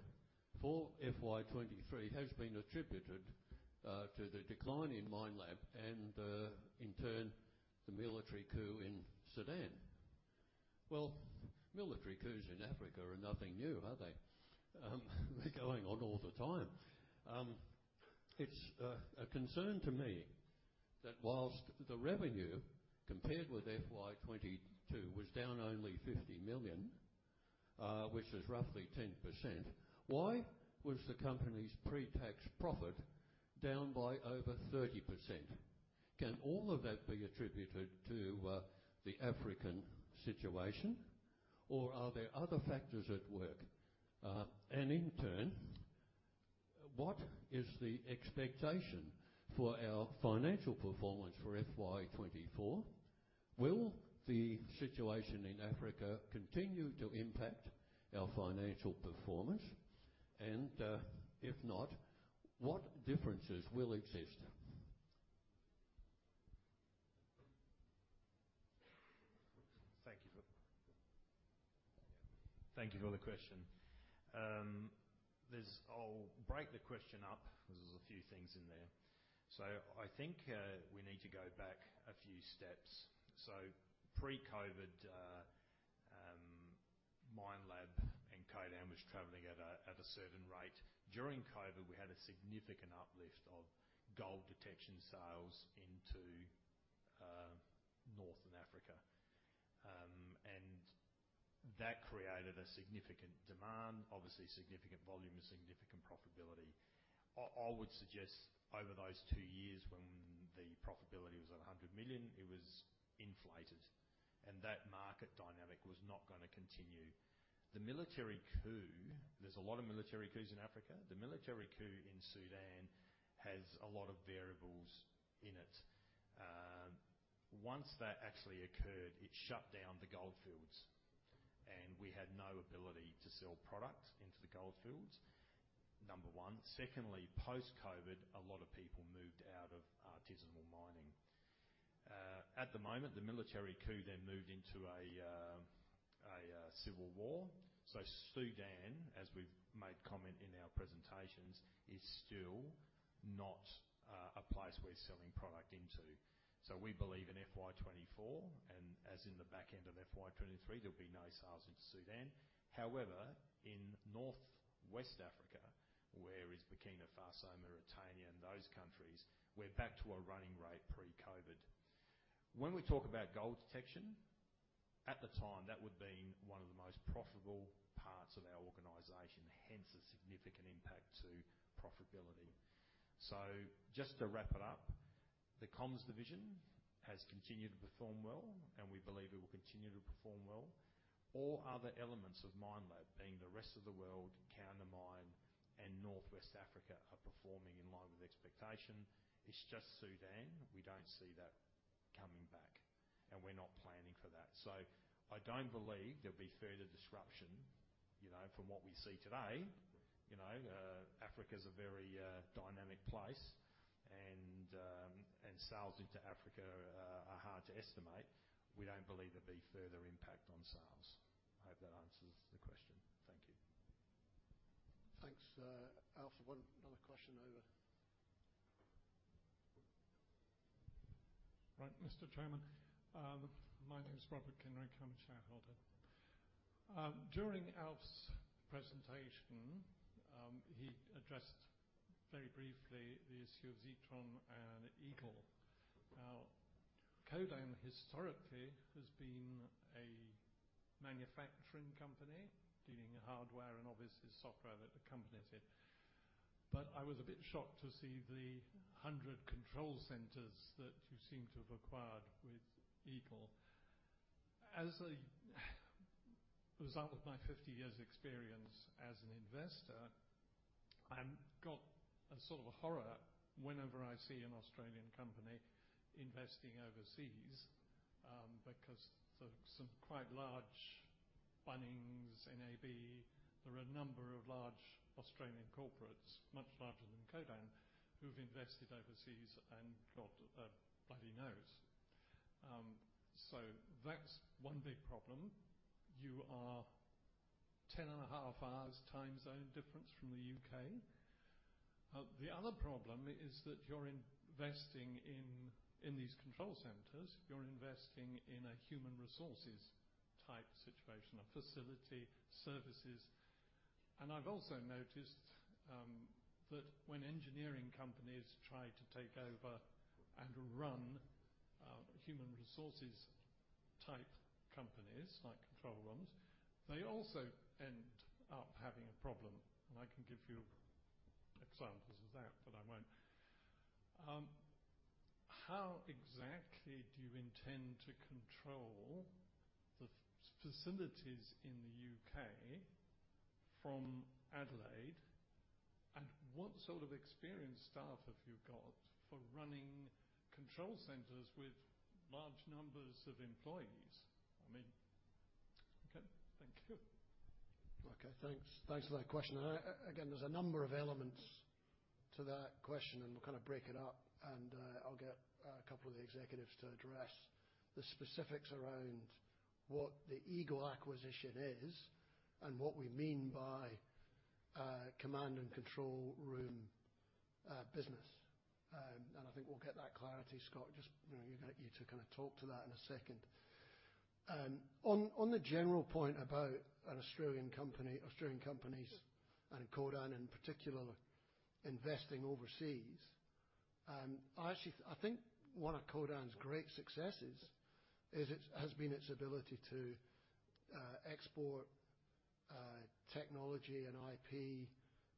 for FY 2023 has been attributed to the decline in Minelab and, in turn, the military coup in Sudan. Well, military coups in Africa are nothing new, are they? They're going on all the time. It's a concern to me that whilst the revenue, compared with FY 2022, was down only 50 million, which is roughly 10%, why was the company's pre-tax profit down by over 30%? Can all of that be attributed to the African situation, or are there other factors at work? And in turn, what is the expectation for our financial performance for FY 2024? Will the situation in Africa continue to impact our financial performance? And, if not, what differences will exist? Thank you for the question. There's. I'll break the question up because there's a few things in there. So I think, we need to go back a few steps. So pre-COVID, Minelab and Codan was traveling at a certain rate. During COVID, we had a significant uplift of gold detection sales into northern Africa. And that created a significant demand, obviously significant volume and significant profitability. I would suggest over those two years, when the profitability was at 100 million, it was inflated, and that market dynamic was not gonna continue. The military coup, there's a lot of military coups in Africa. The military coup in Sudan has a lot of variables in it. Once that actually occurred, it shut down the goldfields, and we had no ability to sell product into the goldfields, number one. Secondly, post-COVID, a lot of people moved out of artisanal mining. At the moment, the military coup then moved into a civil war. So Sudan, as we've made comment in our presentations, is still not a place we're selling product into. So we believe in FY 2024, and as in the back end of FY 2023, there'll be no sales into Sudan. However, in Northwest Africa, where is Burkina Faso, Mauritania, and those countries, we're back to a running rate pre-COVID. When we talk about gold detection, at the time, that would have been one of the most profitable parts of our organization, hence a significant impact to profitability. So just to wrap it up, the comms division has continued to perform well, and we believe it will continue to perform well. All other elements of Minelab, being the Rest of the World, Countermine, and Northwest Africa, are performing in line with expectation. It's just Sudan. We don't see that coming back, and we're not planning for that. So I don't believe there'll be further disruption, you know, from what we see today. You know, Africa is a very dynamic place, and sales into Africa are hard to estimate. We don't believe there'll be further impact on sales. I hope that answers the question. Thank you. Thanks, Alf. One other question over. Right, Mr. Chairman. My name is Robert Kenrick. I'm a shareholder. During Alf's presentation, he addressed very briefly the issue of Zetron and Eagle. Now, Codan historically has been a manufacturing company dealing in hardware and obviously software that accompanies it. But I was a bit shocked to see the 100 control centers that you seem to have acquired with Eagle. As a result of my 50 years experience as an investor, I'm got a sort of a horror whenever I see an Australian company investing overseas, because there are some quite large, Bunnings, NAB, there are a number of large Australian corporates, much larger than Codan, who've invested overseas and got a bloody nose. So that's one big problem. You are 10.5 hours time zone difference from the U.K. The other problem is that you're investing in, in these control centers, you're investing in a human resources type situation, a facility, services. And I've also noticed, that when engineering companies try to take over and run, human resources-type companies, like control rooms, they also end up having a problem, and I can give you examples of that, but I won't. How exactly do you intend to control the facilities in the U.K. from Adelaide, and what sort of experienced staff have you got for running control centers with large numbers of employees? Okay, thank you. Okay, thanks. Thanks for that question. Again, there's a number of elements to that question, and we'll kind of break it up and I'll get a couple of the executives to address the specifics around what the Eagle acquisition is and what we mean by command and control room business. And I think we'll get that clarity, Scott, just, you know, you're going to get to kind of talk to that in a second. On the general point about an Australian company, Australian companies, and Codan, in particular, investing overseas, I actually think one of Codan's great successes is its, has been its ability to export technology and IP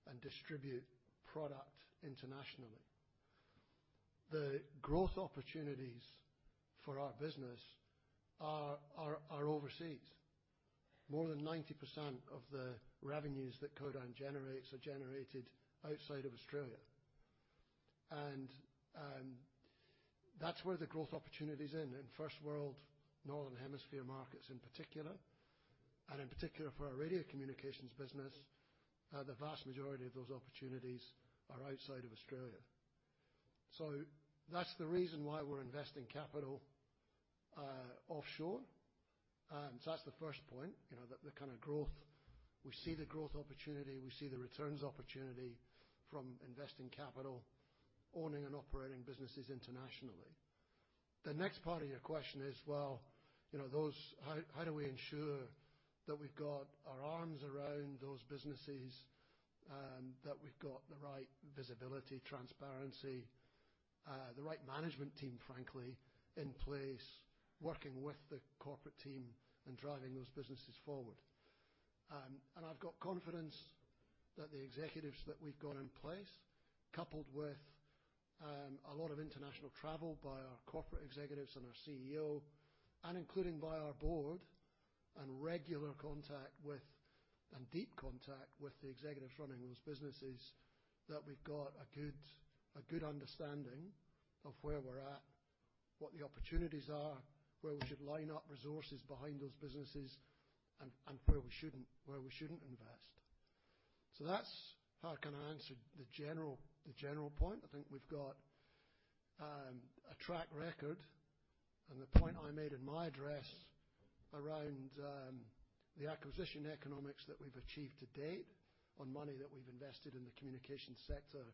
and distribute product internationally. The growth opportunities for our business are overseas. More than 90% of the revenues that Codan generates are generated outside of Australia. That's where the growth opportunity is in First World, Northern Hemisphere markets in particular, and in particular for our radio communications business, the vast majority of those opportunities are outside of Australia. So that's the reason why we're investing capital, offshore. That's the first point, you know, the kind of growth. We see the growth opportunity, we see the returns opportunity from investing capital, owning and operating businesses internationally. The next part of your question is, well, you know, those, how do we ensure that we've got our arms around those businesses, and that we've got the right visibility, transparency, the right management team, frankly, in place, working with the corporate team and driving those businesses forward? And I've got confidence that the executives that we've got in place, coupled with a lot of international travel by our corporate executives and our CEO, and including by our board, and regular contact with, and deep contact with the executives running those businesses, that we've got a good understanding of where we're at, what the opportunities are, where we should line up resources behind those businesses, and where we shouldn't invest. So that's how I can answer the general point. I think we've got a track record, and the point I made in my address around the acquisition economics that we've achieved to date on money that we've invested in the communication sector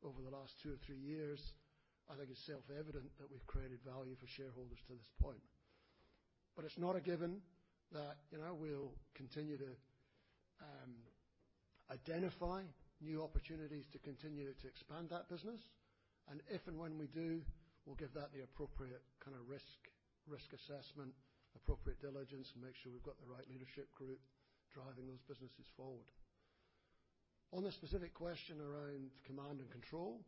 over the last 2 or 3 years. I think it's self-evident that we've created value for shareholders to this point. But it's not a given that, you know, we'll continue to identify new opportunities to continue to expand that business. If and when we do, we'll give that the appropriate kind of risk, risk assessment, appropriate diligence, and make sure we've got the right leadership group driving those businesses forward. On the specific question around command and control,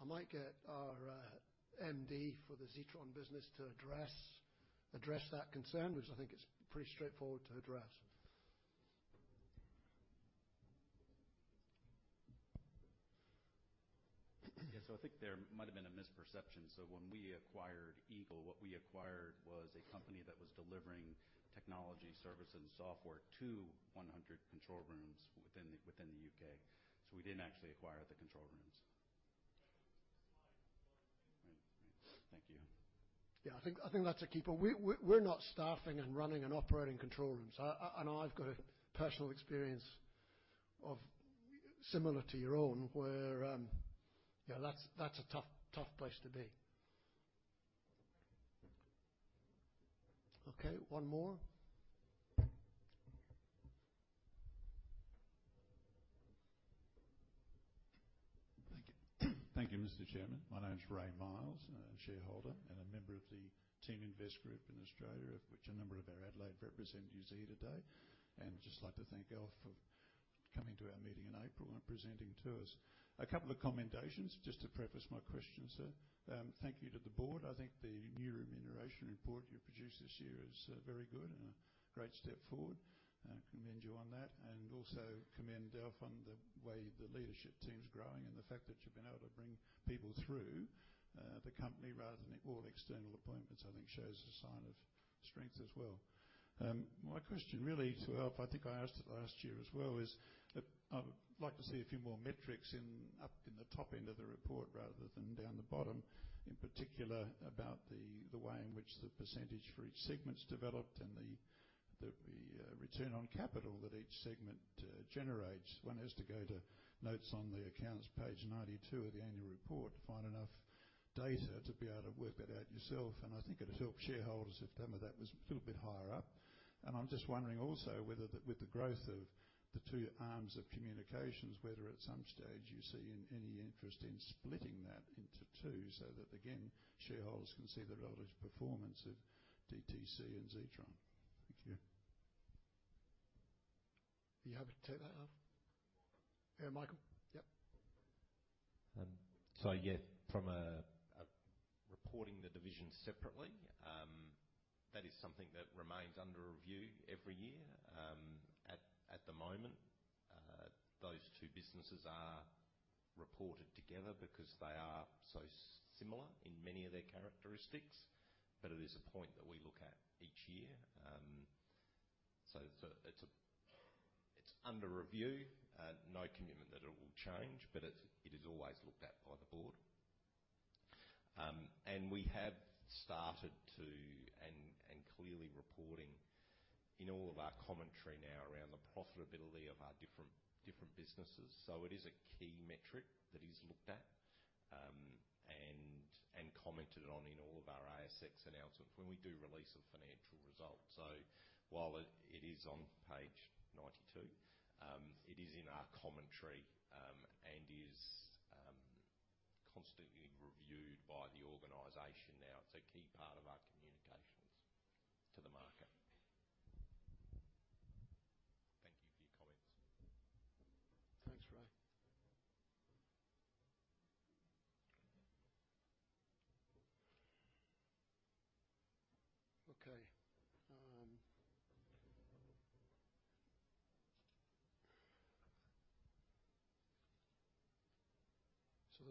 I might get our MD for the Zetron business to address, address that concern, which I think it's pretty straightforward to address. Yeah, so I think there might have been a misperception. So when we acquired Eagle, what we acquired was a company that was delivering technology, services, and software to 100 control rooms within the UK. So we didn't actually acquire the control rooms. Right. Thank you. Yeah, I think that's a keeper. We're not staffing and running and operating control rooms. I know I've got a personal experience of similar to your own, where, yeah, that's a tough place to be. Okay, one more. Thank you. Thank you, Mr. Chairman. My name is Ray Miles, a shareholder and a member of the Team Invest Group in Australia, of which a number of our Adelaide representatives are here today. I'd just like to thank Alf for coming to our meeting in April and presenting to us. A couple of commendations, just to preface my question, sir. Thank you to the board. I think the new remuneration report you produced this year is, very good and a great step forward. I commend you on that, and also commend Alf on the way the leadership team's growing and the fact that you've been able to bring people through, the company rather than all external appointments, I think shows a sign of strength as well. My question really to Alf, I think I asked it last year as well, is that I would like to see a few more metrics in, up in the top end of the report rather than down the bottom. In particular, about the, the way in which the percentage for each segment's developed and the, the return on capital that each segment generates. One has to go to notes on the accounts, page 92 of the annual report, to find enough data to be able to work that out yourself, and I think it'd help shareholders if some of that was a little bit higher up. I'm just wondering also whether, with the growth of the two arms of communications, whether at some stage you see any interest in splitting that into two, so that, again, shareholders can see the relative performance of DTC and Zetron? Thank you. You happy to take that, Alf? Yeah, Michael. Yep. So yeah, from reporting the division separately, that is something that remains under review every year. At the moment, those two businesses are reported together because they are so similar in many of their characteristics. But it is a point that we look at each year. It's under review. No commitment that it will change, but it is always looked at by the board. We have started clearly reporting in all of our commentary now around the profitability of our different businesses. So it is a key metric that is looked at and commented on in all of our ASX announcements when we do release a financial result. So while it is on page 92, it is in our commentary, and is constantly reviewed by the organization now. It's a key part of our communications to the market.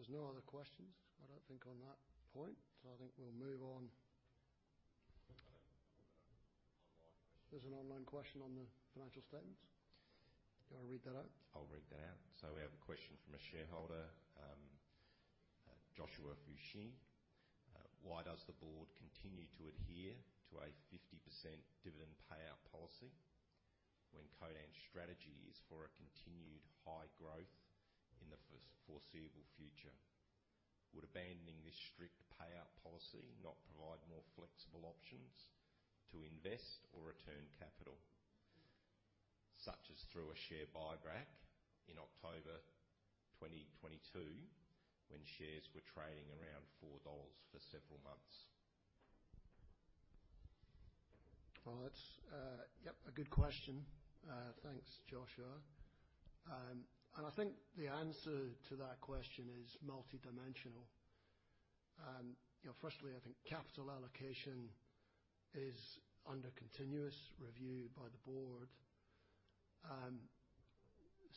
Thank you for your comments. Thanks, Ray. Okay, so there's no other questions, I don't think, on that point, so I think we'll move on. I have an online question. There's an online question on the financial statements. You want to read that out? I'll read that out. So we have a question from a shareholder, Joshua Fushie: Why does the board continue to adhere to a 50% dividend payout policy when Codan's strategy is for a continued high growth in the foreseeable future? Would abandoning this strict payout policy not provide more flexible options to invest or return capital, such as through a share buyback in October 2022, when shares were trading around 4 dollars for several months? Well, that's yep, a good question. Thanks, Joshua. I think the answer to that question is multidimensional. You know, firstly, I think capital allocation is under continuous review by the board.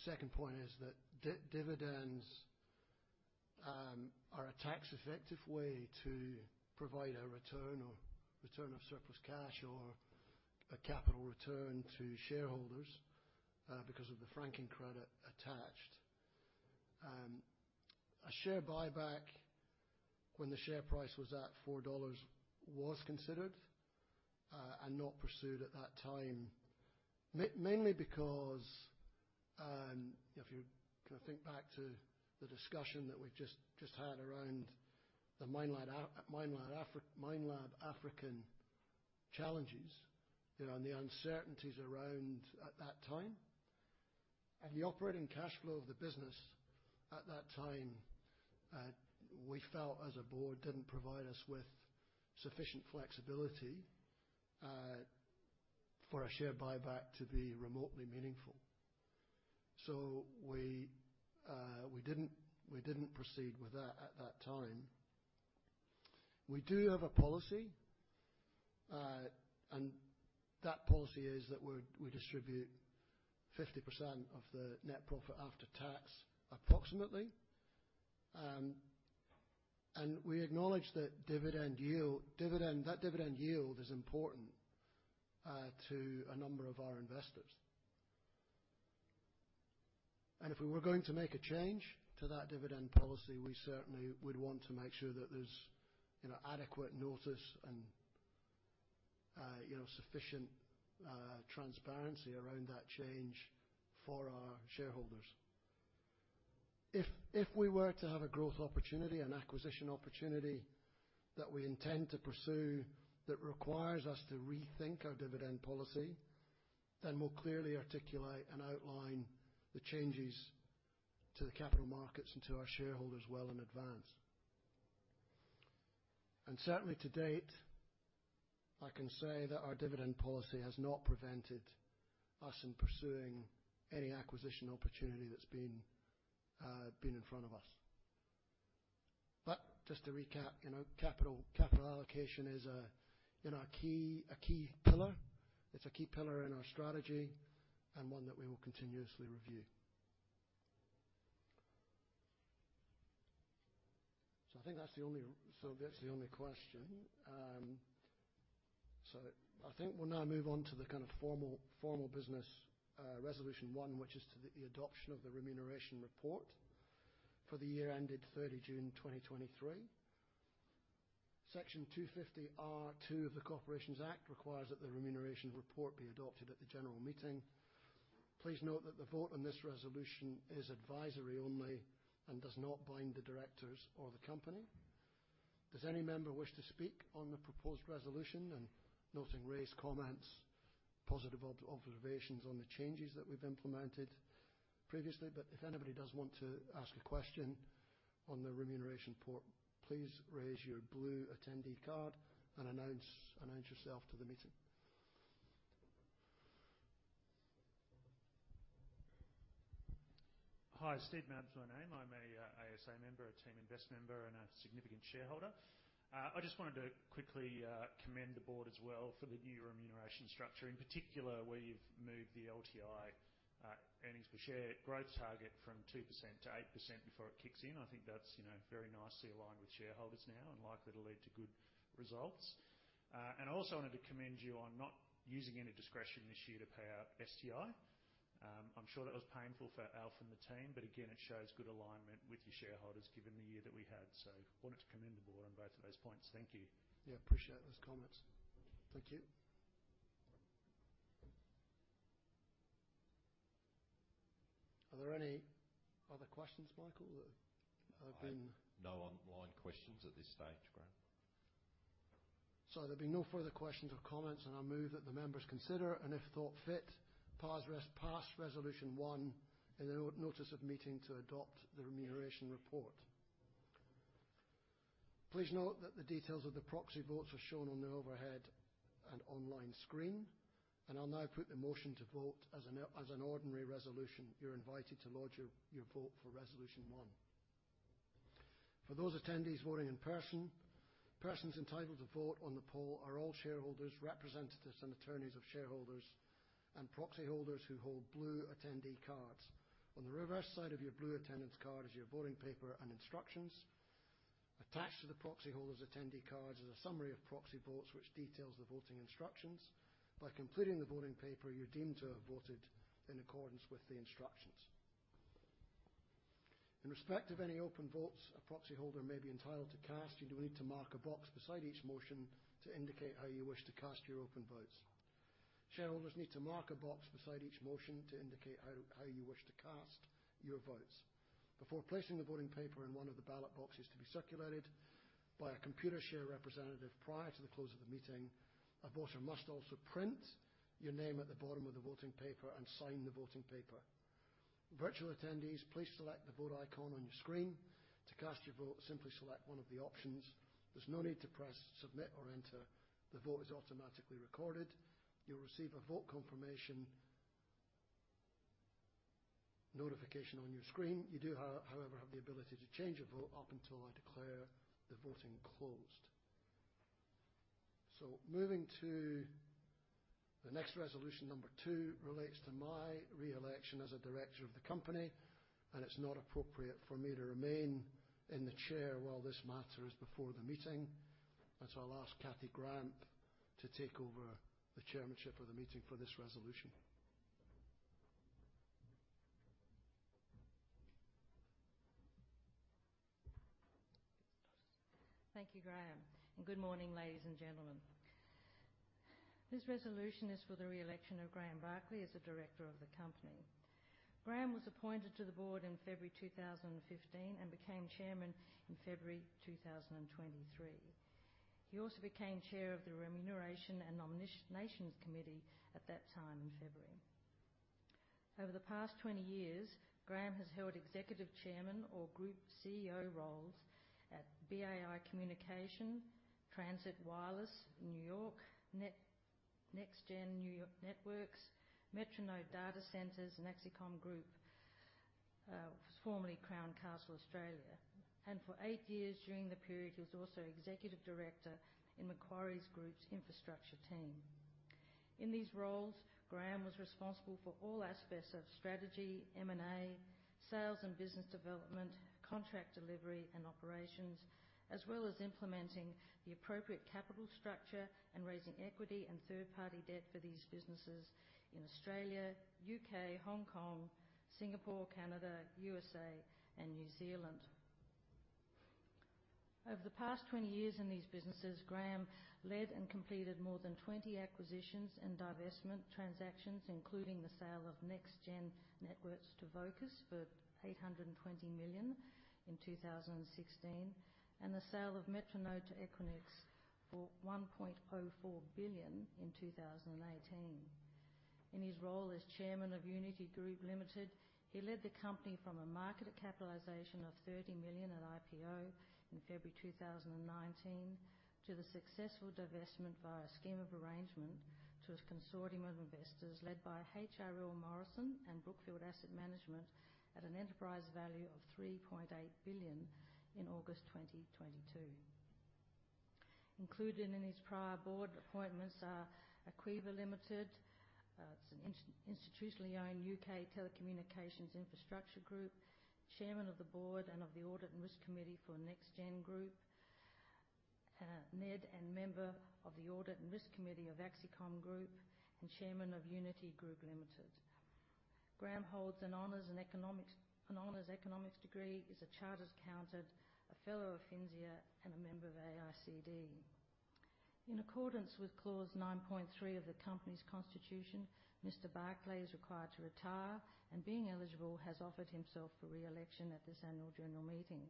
Second point is that dividends are a tax-effective way to provide a return or return of surplus cash or a capital return to shareholders because of the franking credit attached. A share buyback when the share price was at 4 dollars was considered and not pursued at that time. Mainly because if you kind of think back to the discussion that we just had around the Minelab African challenges, you know, and the uncertainties around at that time. And the operating cash flow of the business at that time, we felt as a board, didn't provide us with sufficient flexibility, for a share buyback to be remotely meaningful. So we didn't proceed with that at that time. We do have a policy, and that policy is that we distribute 50% of the net profit after tax, approximately. And we acknowledge that dividend yield, dividend. That dividend yield is important, to a number of our investors. And if we were going to make a change to that dividend policy, we certainly would want to make sure that there's, you know, adequate notice and, you know, sufficient, transparency around that change for our shareholders. If we were to have a growth opportunity, an acquisition opportunity that we intend to pursue, that requires us to rethink our dividend policy, then we'll clearly articulate and outline the changes to the capital markets and to our shareholders well in advance. And certainly, to date, I can say that our dividend policy has not prevented us in pursuing any acquisition opportunity that's been in front of us. But just to recap, you know, capital allocation is, you know, a key pillar. It's a key pillar in our strategy and one that we will continuously review. So that's the only question. So I think we'll now move on to the formal business. Resolution 1, which is the adoption of the remuneration report for the year ended 30 June 2023. Section 250R(2) of the Corporations Act requires that the remuneration report be adopted at the general meeting. Please note that the vote on this resolution is advisory only and does not bind the directors or the company. Does any member wish to speak on the proposed resolution? And noting Ray's comments, positive observations on the changes that we've implemented previously. But if anybody does want to ask a question on the remuneration report, please raise your blue attendee card and announce yourself to the meeting. Hi, Steve Mount's my name. I'm a ASA member, a Team Invest member, and a significant shareholder. I just wanted to quickly commend the board as well for the new remuneration structure, in particular, where you've moved the LTI earnings per share growth target from 2% to 8% before it kicks in. I think that's, you know, very nicely aligned with shareholders now and likely to lead to good results. And I also wanted to commend you on not using any discretion this year to pay out STI. I'm sure that was painful for Alf and the team, but again, it shows good alignment with your shareholders, given the year that we had. So I wanted to commend the board on both of those points. Thank you. Yeah, appreciate those comments. Thank you. Are there any other questions, Michael, that have been- No online questions at this stage, Graeme. So there'll be no further questions or comments, and I move that the members consider, and if thought fit, pass Resolution 1 in the notice of meeting to adopt the remuneration report. Please note that the details of the proxy votes are shown on the overhead and online screen, and I'll now put the motion to vote as an ordinary resolution. You're invited to lodge your vote for Resolution 1. For those attendees voting in person, persons entitled to vote on the poll are all shareholders, representatives, and attorneys of shareholders and proxy holders who hold blue attendee cards. On the reverse side of your blue attendance card is your voting paper and instructions. Attached to the proxy holder's attendee cards is a summary of proxy votes, which details the voting instructions. By completing the voting paper, you're deemed to have voted in accordance with the instructions. In respect of any open votes a proxy holder may be entitled to cast, you do need to mark a box beside each motion to indicate how you wish to cast your open votes. Shareholders need to mark a box beside each motion to indicate how, how you wish to cast your votes. Before placing the voting paper in one of the ballot boxes to be circulated by a Computershare representative prior to the close of the meeting, a voter must also print your name at the bottom of the voting paper and sign the voting paper. Virtual attendees, please select the Vote icon on your screen. To cast your vote, simply select one of the options. There's no need to press, submit, or enter. The vote is automatically recorded. You'll receive a vote confirmation notification on your screen. You do, however, have the ability to change your vote up until I declare the voting closed. So moving to the next resolution, number 2, relates to my re-election as a director of the company, and it's not appropriate for me to remain in the chair while this matter is before the meeting. And so I'll ask Kathy Gramp to take over the chairmanship of the meeting for this resolution. Thank you, Graeme, and good morning, ladies and gentlemen. This resolution is for the re-election of Graeme Barclay as a director of the company. Graeme was appointed to the board in February 2015 and became chairman in February 2023. He also became chair of the Remuneration and Nominations Committee at that time in February. Over the past 20 years, Graeme has held executive chairman or group CEO roles at BAI Communications, Transit Wireless, New York, Nextgen Networks, Metronode Data Centers, and Axicom Group, formerly Crown Castle Australia. For 8 years during the period, he was also executive director in Macquarie Group's infrastructure team. In these roles, Graeme was responsible for all aspects of strategy, M&A, sales and business development, contract delivery, and operations, as well as implementing the appropriate capital structure and raising equity and third-party debt for these businesses in Australia, U.K., Hong Kong, Singapore, Canada, USA, and New Zealand. Over the past 20 years in these businesses, Graeme led and completed more than 20 acquisitions and divestment transactions, including the sale of Nextgen Networks to Vocus for 820 million in 2016, and the sale of Metronode to Equinix for 1.04 billion in 2018. In his role as chairman of Uniti Group Limited, he led the company from a market capitalization of 30 million at IPO in February 2019 to the successful divestment via a scheme of arrangement to a consortium of investors led by HRL Morrison and Brookfield Asset Management at an enterprise value of 3.8 billion in August 2022. Included in his prior board appointments are Arqiva Limited. It's an institutionally owned UK telecommunications infrastructure group, chairman of the board and of the Audit and Risk Committee for Nextgen Networks, NED and member of the Audit and Risk Committee of Axicom Group, and Chairman of Uniti Group Limited. Graeme holds an honors economics degree, is a chartered accountant, a fellow of FINSIA, and a member of AICD. In accordance with Clause 9.3 of the company's constitution, Mr. Barclay is required to retire, and being eligible, has offered himself for re-election at this Annual General Meeting.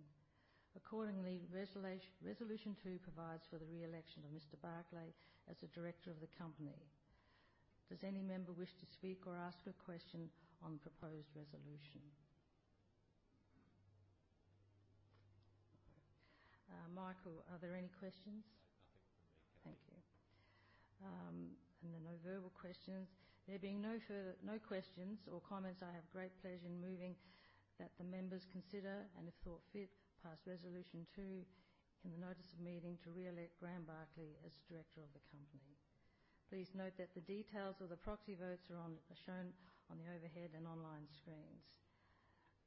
Accordingly, Resolution 2 provides for the re-election of Mr. Barclay as a director of the company. Does any member wish to speak or ask a question on the proposed resolution? Michael, are there any questions? Nothing from me, Cathy. Thank you. And then no verbal questions. There being no further questions or comments, I have great pleasure in moving that the members consider, and if thought fit, pass Resolution 2 in the notice of meeting to re-elect Graeme Barclay as director of the company. Please note that the details of the proxy votes are shown on the overhead and online screens.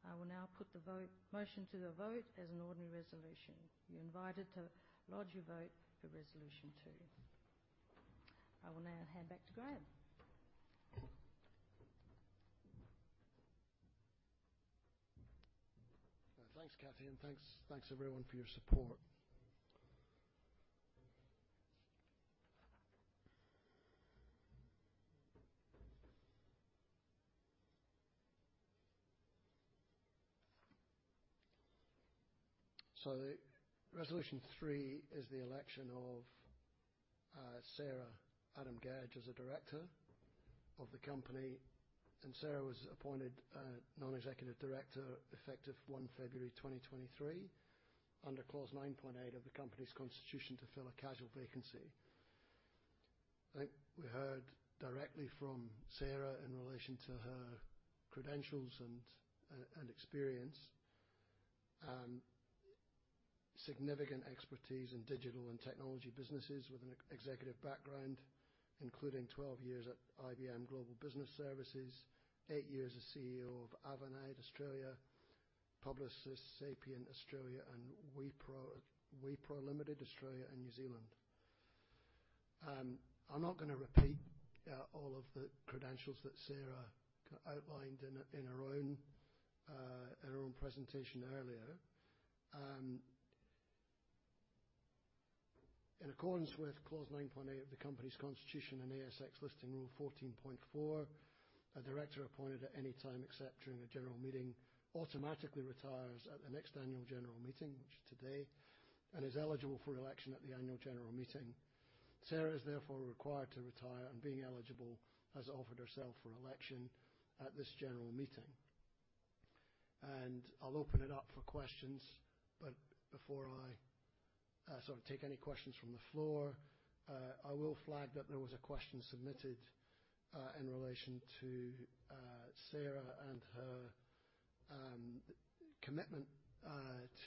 I will now put the motion to the vote as an ordinary resolution. You're invited to lodge your vote for Resolution 2. I will now hand back to Graeme. Thanks, Cathy, and thanks, everyone, for your support. Resolution 3 is the election of Sarah Adam-Gedge as a director of the company, and Sarah was appointed non-executive director, effective 1 February 2023, under Clause 9.8 of the company's constitution to fill a casual vacancy. I think we heard directly from Sarah in relation to her credentials and experience. Significant expertise in digital and technology businesses with an executive background, including 12 years at IBM Global Business Services, 8 years as CEO of Avanade Australia, Publicis Sapient Australia, and Wipro Limited, Australia and New Zealand. I'm not gonna repeat all of the credentials that Sarah outlined in her own presentation earlier. In accordance with Clause 9.8 of the company's constitution and ASX Listing Rule 14.4, a director appointed at any time, except during a general meeting, automatically retires at the next annual general meeting, which is today, and is eligible for election at the annual general meeting. Sarah is therefore required to retire and, being eligible, has offered herself for election at this general meeting. I'll open it up for questions, but before I sort of take any questions from the floor, I will flag that there was a question submitted in relation to Sarah and her commitment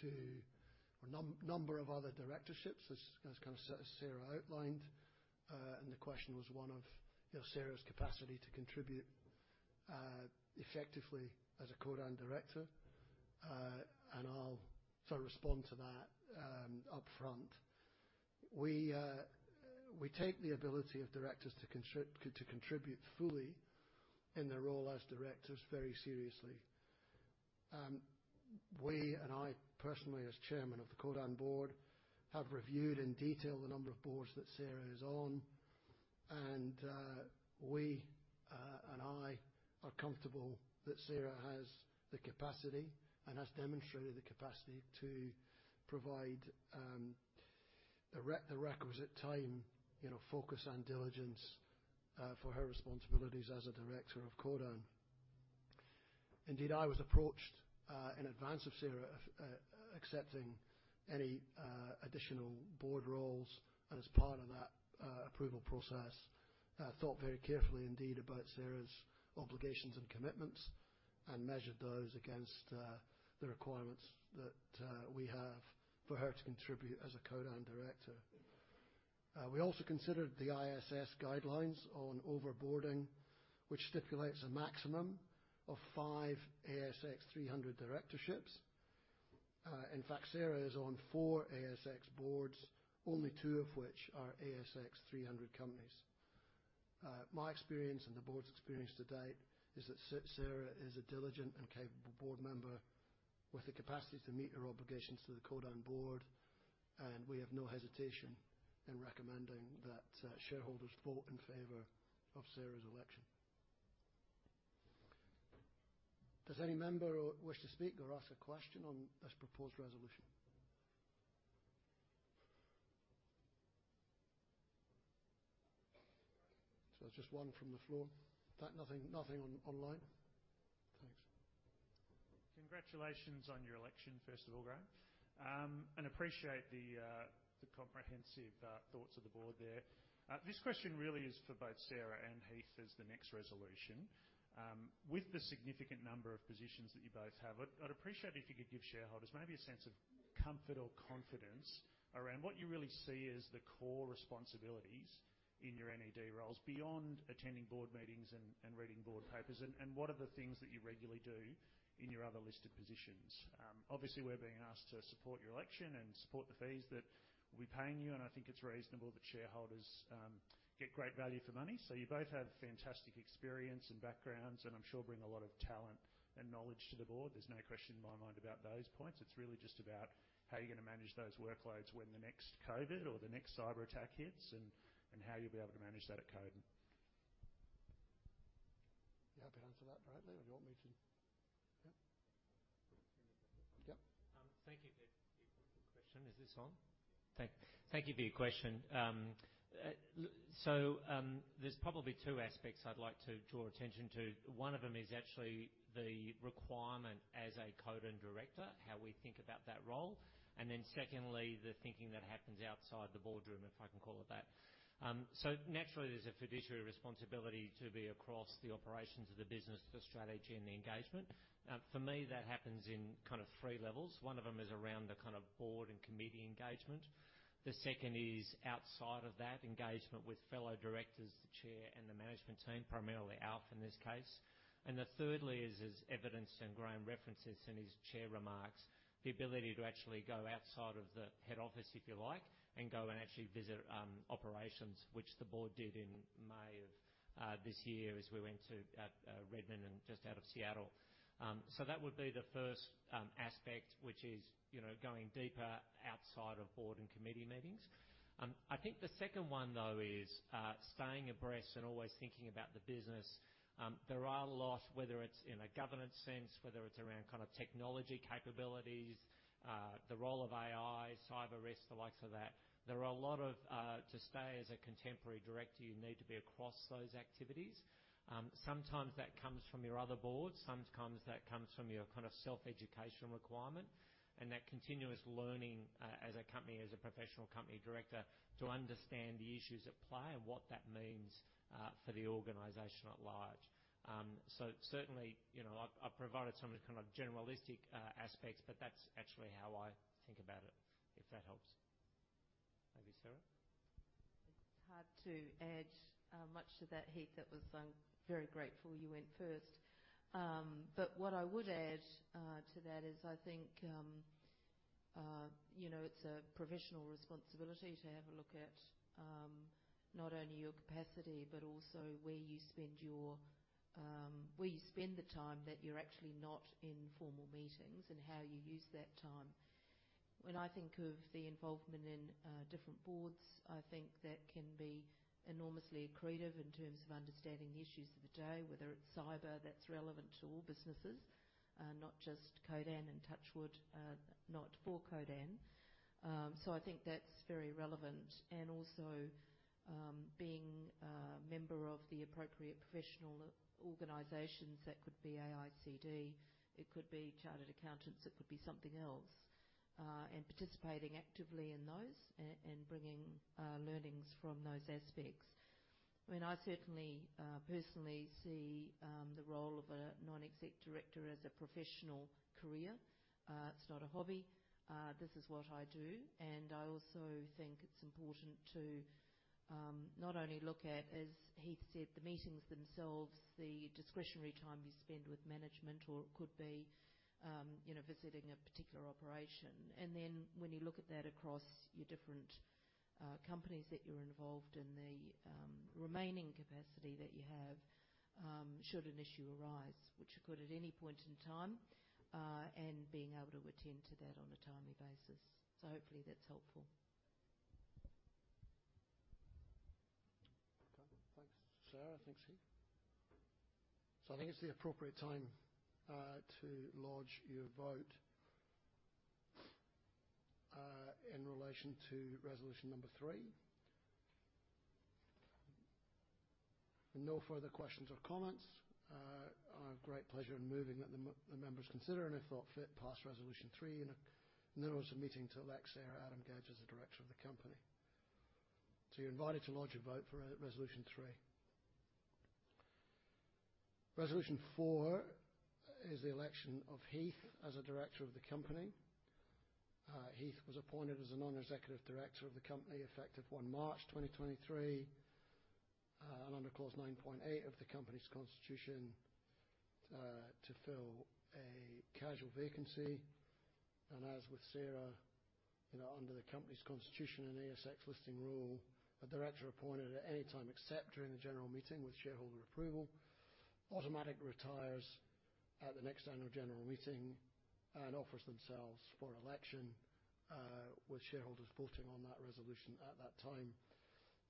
to a number of other directorships, as kind of Sarah outlined. The question was one of, you know, Sarah's capacity to contribute effectively as a Codan director. And I'll sort of respond to that, upfront. We take the ability of directors to contribute fully in their role as directors very seriously. We and I personally, as Chairman of the Codan board, have reviewed in detail the number of boards that Sarah is on, and we and I are comfortable that Sarah has the capacity and has demonstrated the capacity to provide the requisite time, you know, focus and diligence for her responsibilities as a director of Codan. Indeed, I was approached in advance of Sarah accepting any additional board roles, and as part of that approval process, thought very carefully indeed about Sarah's obligations and commitments and measured those against the requirements that we have for her to contribute as a Codan director. We also considered the ISS guidelines on overboarding, which stipulates a maximum of five ASX 300 directorships. In fact, Sarah is on four ASX boards, only two of which are ASX 300 companies. My experience and the board's experience to date is that Sarah is a diligent and capable board member with the capacity to meet her obligations to the Codan board, and we have no hesitation in recommending that shareholders vote in favor of Sarah's election. Does any member wish to speak or ask a question on this proposed resolution? So just one from the floor. That nothing, nothing online? Congratulations on your election, first of all, Graeme. I appreciate the comprehensive thoughts of the board there. This question really is for both Sarah and Heith as the next resolution. With the significant number of positions that you both have, I'd appreciate if you could give shareholders maybe a sense of comfort or confidence around what you really see as the core responsibilities in your NED roles, beyond attending board meetings and reading board papers. What are the things that you regularly do in your other listed positions? Obviously, we're being asked to support your election and support the fees that we're paying you, and I think it's reasonable that shareholders get great value for money. So you both have fantastic experience and backgrounds, and I'm sure you bring a lot of talent and knowledge to the board. There's no question in my mind about those points. It's really just about how you're going to manage those workloads when the next COVID or the next cyberattack hits, and how you'll be able to manage that at Codan. You happy to answer that directly, or do you want me to...? Yeah. Yep. Thank you for your question. Is this on? Thank you for your question. So, there's probably two aspects I'd like to draw attention to. One of them is actually the requirement as a Codan director, how we think about that role, and then secondly, the thinking that happens outside the boardroom, if I can call it that. So naturally, there's a fiduciary responsibility to be across the operations of the business, the strategy, and the engagement. For me, that happens in kind of three levels. One of them is around the kind of board and committee engagement. The second is outside of that, engagement with fellow directors, the chair, and the management team, primarily Alf, in this case. Then thirdly is, as evidenced, and Graeme references in his Chair's remarks, the ability to actually go outside of the head office, if you like, and go and actually visit operations, which the board did in May of this year, as we went to Redmond and just out of Seattle. So that would be the first aspect, which is, you know, going deeper outside of board and committee meetings. I think the second one, though, is staying abreast and always thinking about the business. There are a lot, whether it's in a governance sense, whether it's around kind of technology capabilities, the role of AI, cyber risk, the likes of that. There are a lot of...To stay as a contemporary director, you need to be across those activities. Sometimes that comes from your other boards, sometimes that comes from your kind of self-educational requirement, and that continuous learning, as a company, as a professional company director, to understand the issues at play and what that means for the organization at large. So certainly, you know, I've provided some kind of generalistic aspects, but that's actually how I think about it, if that helps. Maybe Sarah? It's hard to add much to that, Heith. Very grateful you went first. But what I would add to that is, I think, you know, it's a professional responsibility to have a look at not only your capacity, but also where you spend the time that you're actually not in formal meetings and how you use that time. When I think of the involvement in different boards, I think that can be enormously accretive in terms of understanding the issues of the day, whether it's cyber, that's relevant to all businesses, not just Codan and Touchwood, not for Codan. So I think that's very relevant and also, being a member of the appropriate professional organizations, that could be AICD, it could be chartered accountants, it could be something else, and participating actively in those and bringing learnings from those aspects. I mean, I certainly personally see the role of a non-exec director as a professional career. It's not a hobby. This is what I do, and I also think it's important to not only look at, as Heith said, the meetings themselves, the discretionary time you spend with management, or it could be, you know, visiting a particular operation. And then when you look at that across your different companies that you're involved in, the remaining capacity that you have, should an issue arise, which could at any point in time, and being able to attend to that on a timely basis. So hopefully that's helpful. Okay. Thanks, Sarah. Thanks, Heith. So I think it's the appropriate time to lodge your vote in relation to resolution number three. No further questions or comments. I have great pleasure in moving that the members consider, and if thought fit, pass resolution three in the course of the meeting to elect Sarah Adam-Gedge as a director of the company. So you're invited to lodge a vote for resolution three. Resolution four is the election of Heith as a director of the company. Heith was appointed as a non-executive director of the company, effective 1 March 2023, and under Clause 9.8 of the company's constitution to fill a casual vacancy. And as with Sarah, you know, under the company's constitution and ASX listing rule, a director appointed at any time, except during the general meeting with shareholder approval, automatically retires at the next annual general meeting and offers themselves for election, with shareholders voting on that resolution at that time.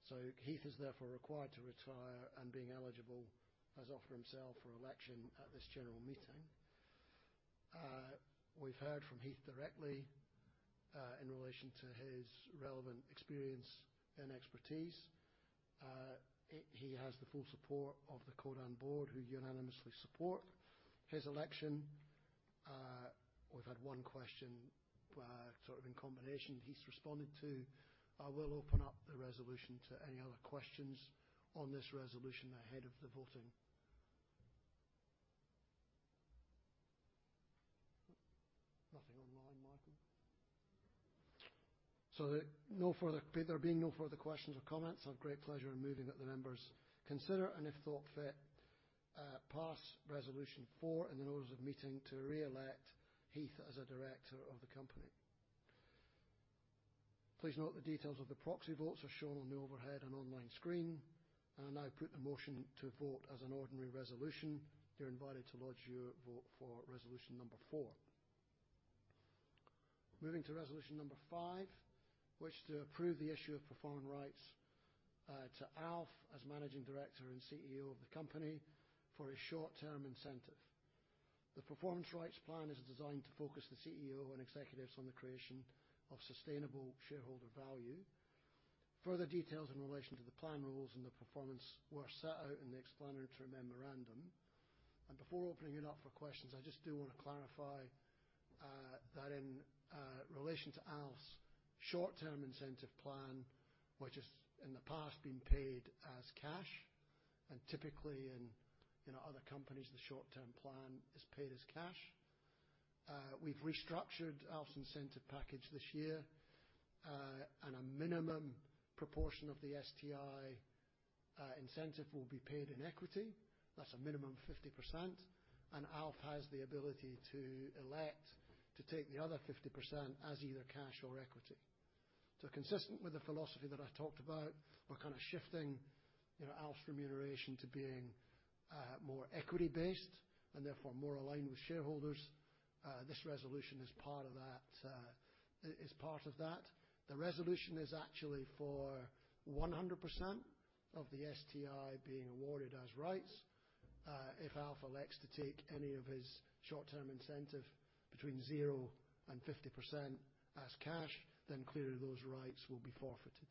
So Heith is therefore required to retire and being eligible, has offered himself for election at this general meeting. We've heard from Heith directly, in relation to his relevant experience and expertise. He has the full support of the Codan board, who unanimously support his election. We've had one question, sort of in combination he's responded to. I will open up the resolution to any other questions on this resolution ahead of the voting. Nothing online, Michael? There being no further questions or comments, I have great pleasure in moving that the members consider, and if thought fit, pass Resolution 4 in the notice of meeting to re-elect Heith as a director of the company. Please note the details of the proxy votes are shown on the overhead and online screen, and I now put the motion to vote as an ordinary resolution. You're invited to lodge your vote for resolution number 4. Moving to resolution number 5, which is to approve the issue of performance rights to Alf as Managing Director and CEO of the company for his short-term incentive. The performance rights plan is designed to focus the CEO and executives on the creation of sustainable shareholder value. Further details in relation to the plan rules and the performance were set out in the explanatory memorandum. And before opening it up for questions, I just do want to clarify that in relation to Alf's short-term incentive plan, which has in the past been paid as cash, and typically in other companies, the short-term plan is paid as cash. We've restructured Alf's incentive package this year, and a minimum proportion of the STI incentive will be paid in equity. That's a minimum of 50%, and Alf has the ability to elect to take the other 50% as either cash or equity. So consistent with the philosophy that I talked about, we're kind of shifting, you know, Alf's remuneration to being more equity-based and therefore more aligned with shareholders. This resolution is part of that, is part of that. The resolution is actually for 100% of the STI being awarded as rights. If Alf elects to take any of his short-term incentive between 0% and 50% as cash, then clearly those rights will be forfeited.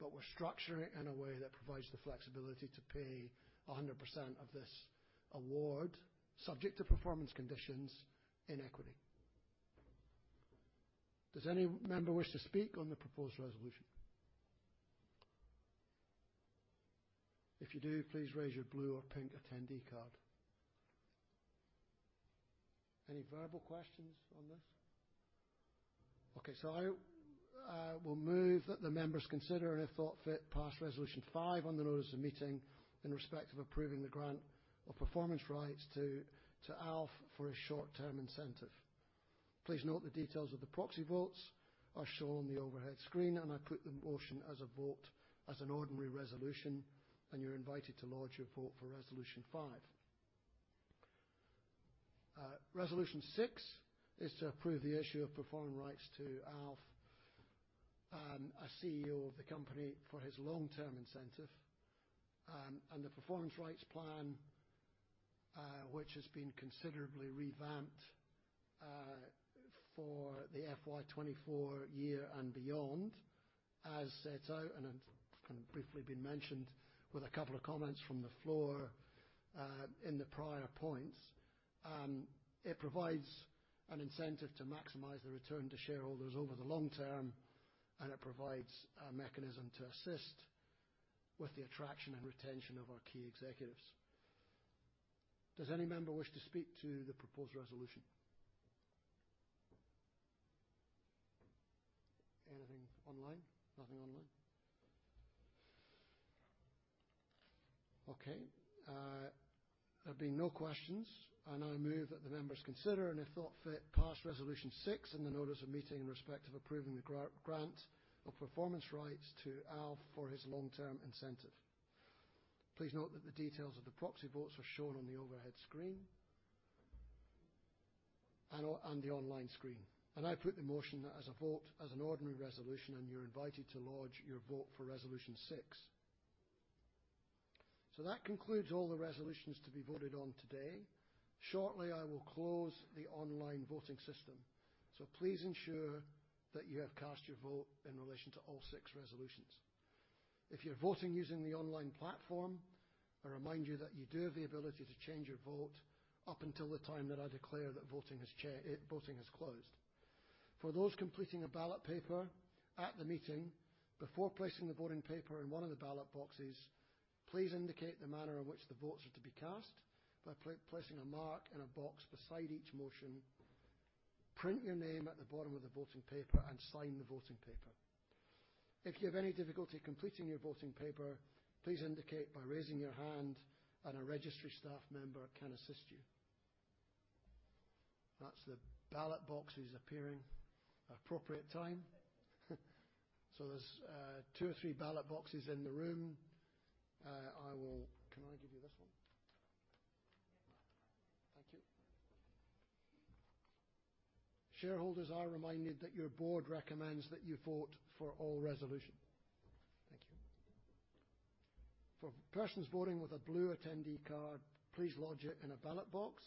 But we're structuring it in a way that provides the flexibility to pay 100% of this award, subject to performance conditions in equity. Does any member wish to speak on the proposed resolution? If you do, please raise your blue or pink attendee card. Any verbal questions on this? Okay, so I will move that the members consider, and if thought fit, pass resolution 5 on the notice of meeting in respect of approving the grant of performance rights to, to Alf for his short-term incentive. Please note the details of the proxy votes are shown on the overhead screen, and I put the motion as a vote, as an ordinary resolution, and you're invited to lodge your vote for resolution 5. Resolution 6 is to approve the issue of performance rights to Alf, as CEO of the company, for his long-term incentive, and the performance rights plan, which has been considerably revamped, for the FY 2024 year and beyond. As set out, and briefly been mentioned with a couple of comments from the floor, in the prior points, it provides an incentive to maximize the return to shareholders over the long term, and it provides a mechanism to assist with the attraction and retention of our key executives. Does any member wish to speak to the proposed resolution? Anything online? Nothing online. Okay, there being no questions, I now move that the members consider, and if thought fit, pass resolution 6 in the notice of meeting in respect of approving the grant of performance rights to Alf for his long-term incentive. Please note that the details of the proxy votes are shown on the overhead screen, and the online screen, and I put the motion as a vote, as an ordinary resolution, and you're invited to lodge your vote for resolution six. So that concludes all the resolutions to be voted on today. Shortly, I will close the online voting system, so please ensure that you have cast your vote in relation to all six resolutions. If you're voting using the online platform, I remind you that you do have the ability to change your vote up until the time that I declare that voting has closed. For those completing a ballot paper at the meeting, before placing the voting paper in one of the ballot boxes, please indicate the manner in which the votes are to be cast, by placing a mark in a box beside each motion. Print your name at the bottom of the voting paper and sign the voting paper. If you have any difficulty completing your voting paper, please indicate by raising your hand and a registry staff member can assist you. That's the ballot boxes appearing at the appropriate time. So there's two or three ballot boxes in the room. Can I give you this one? Thank you. Shareholders are reminded that your board recommends that you vote for all resolution. Thank you. For persons voting with a blue attendee card, please lodge it in a ballot box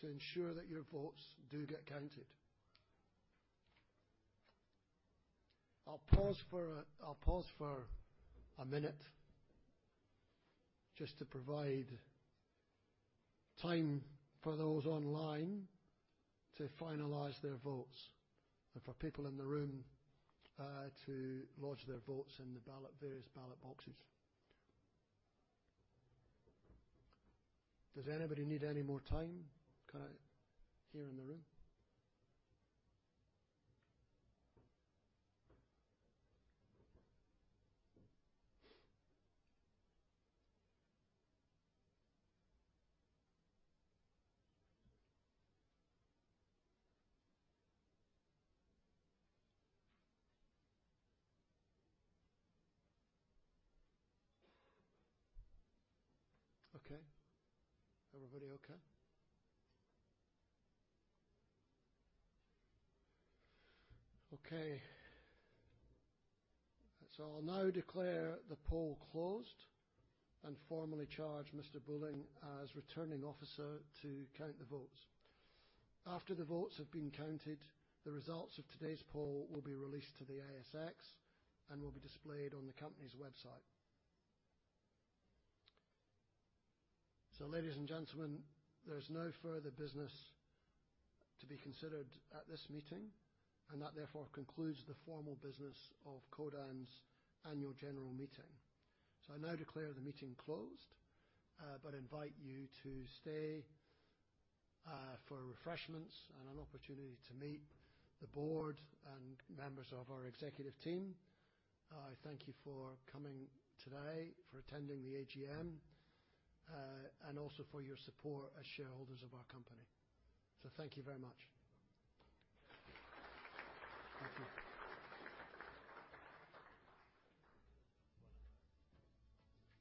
to ensure that your votes do get counted. I'll pause for a minute just to provide time for those online to finalize their votes and for people in the room to lodge their votes in the ballot, various ballot boxes. Does anybody need any more time, kind of, here in the room? Okay. Everybody okay? Okay. So I'll now declare the poll closed and formally charge Mr. Bolling as Returning Officer to count the votes. After the votes have been counted, the results of today's poll will be released to the ASX and will be displayed on the company's website. So, ladies and gentlemen, there's no further business to be considered at this meeting, and that therefore concludes the formal business of Codan's Annual General Meeting. I now declare the meeting closed, but invite you to stay for refreshments and an opportunity to meet the board and members of our executive team. I thank you for coming today, for attending the AGM, and also for your support as shareholders of our company. Thank you very much. Thank you.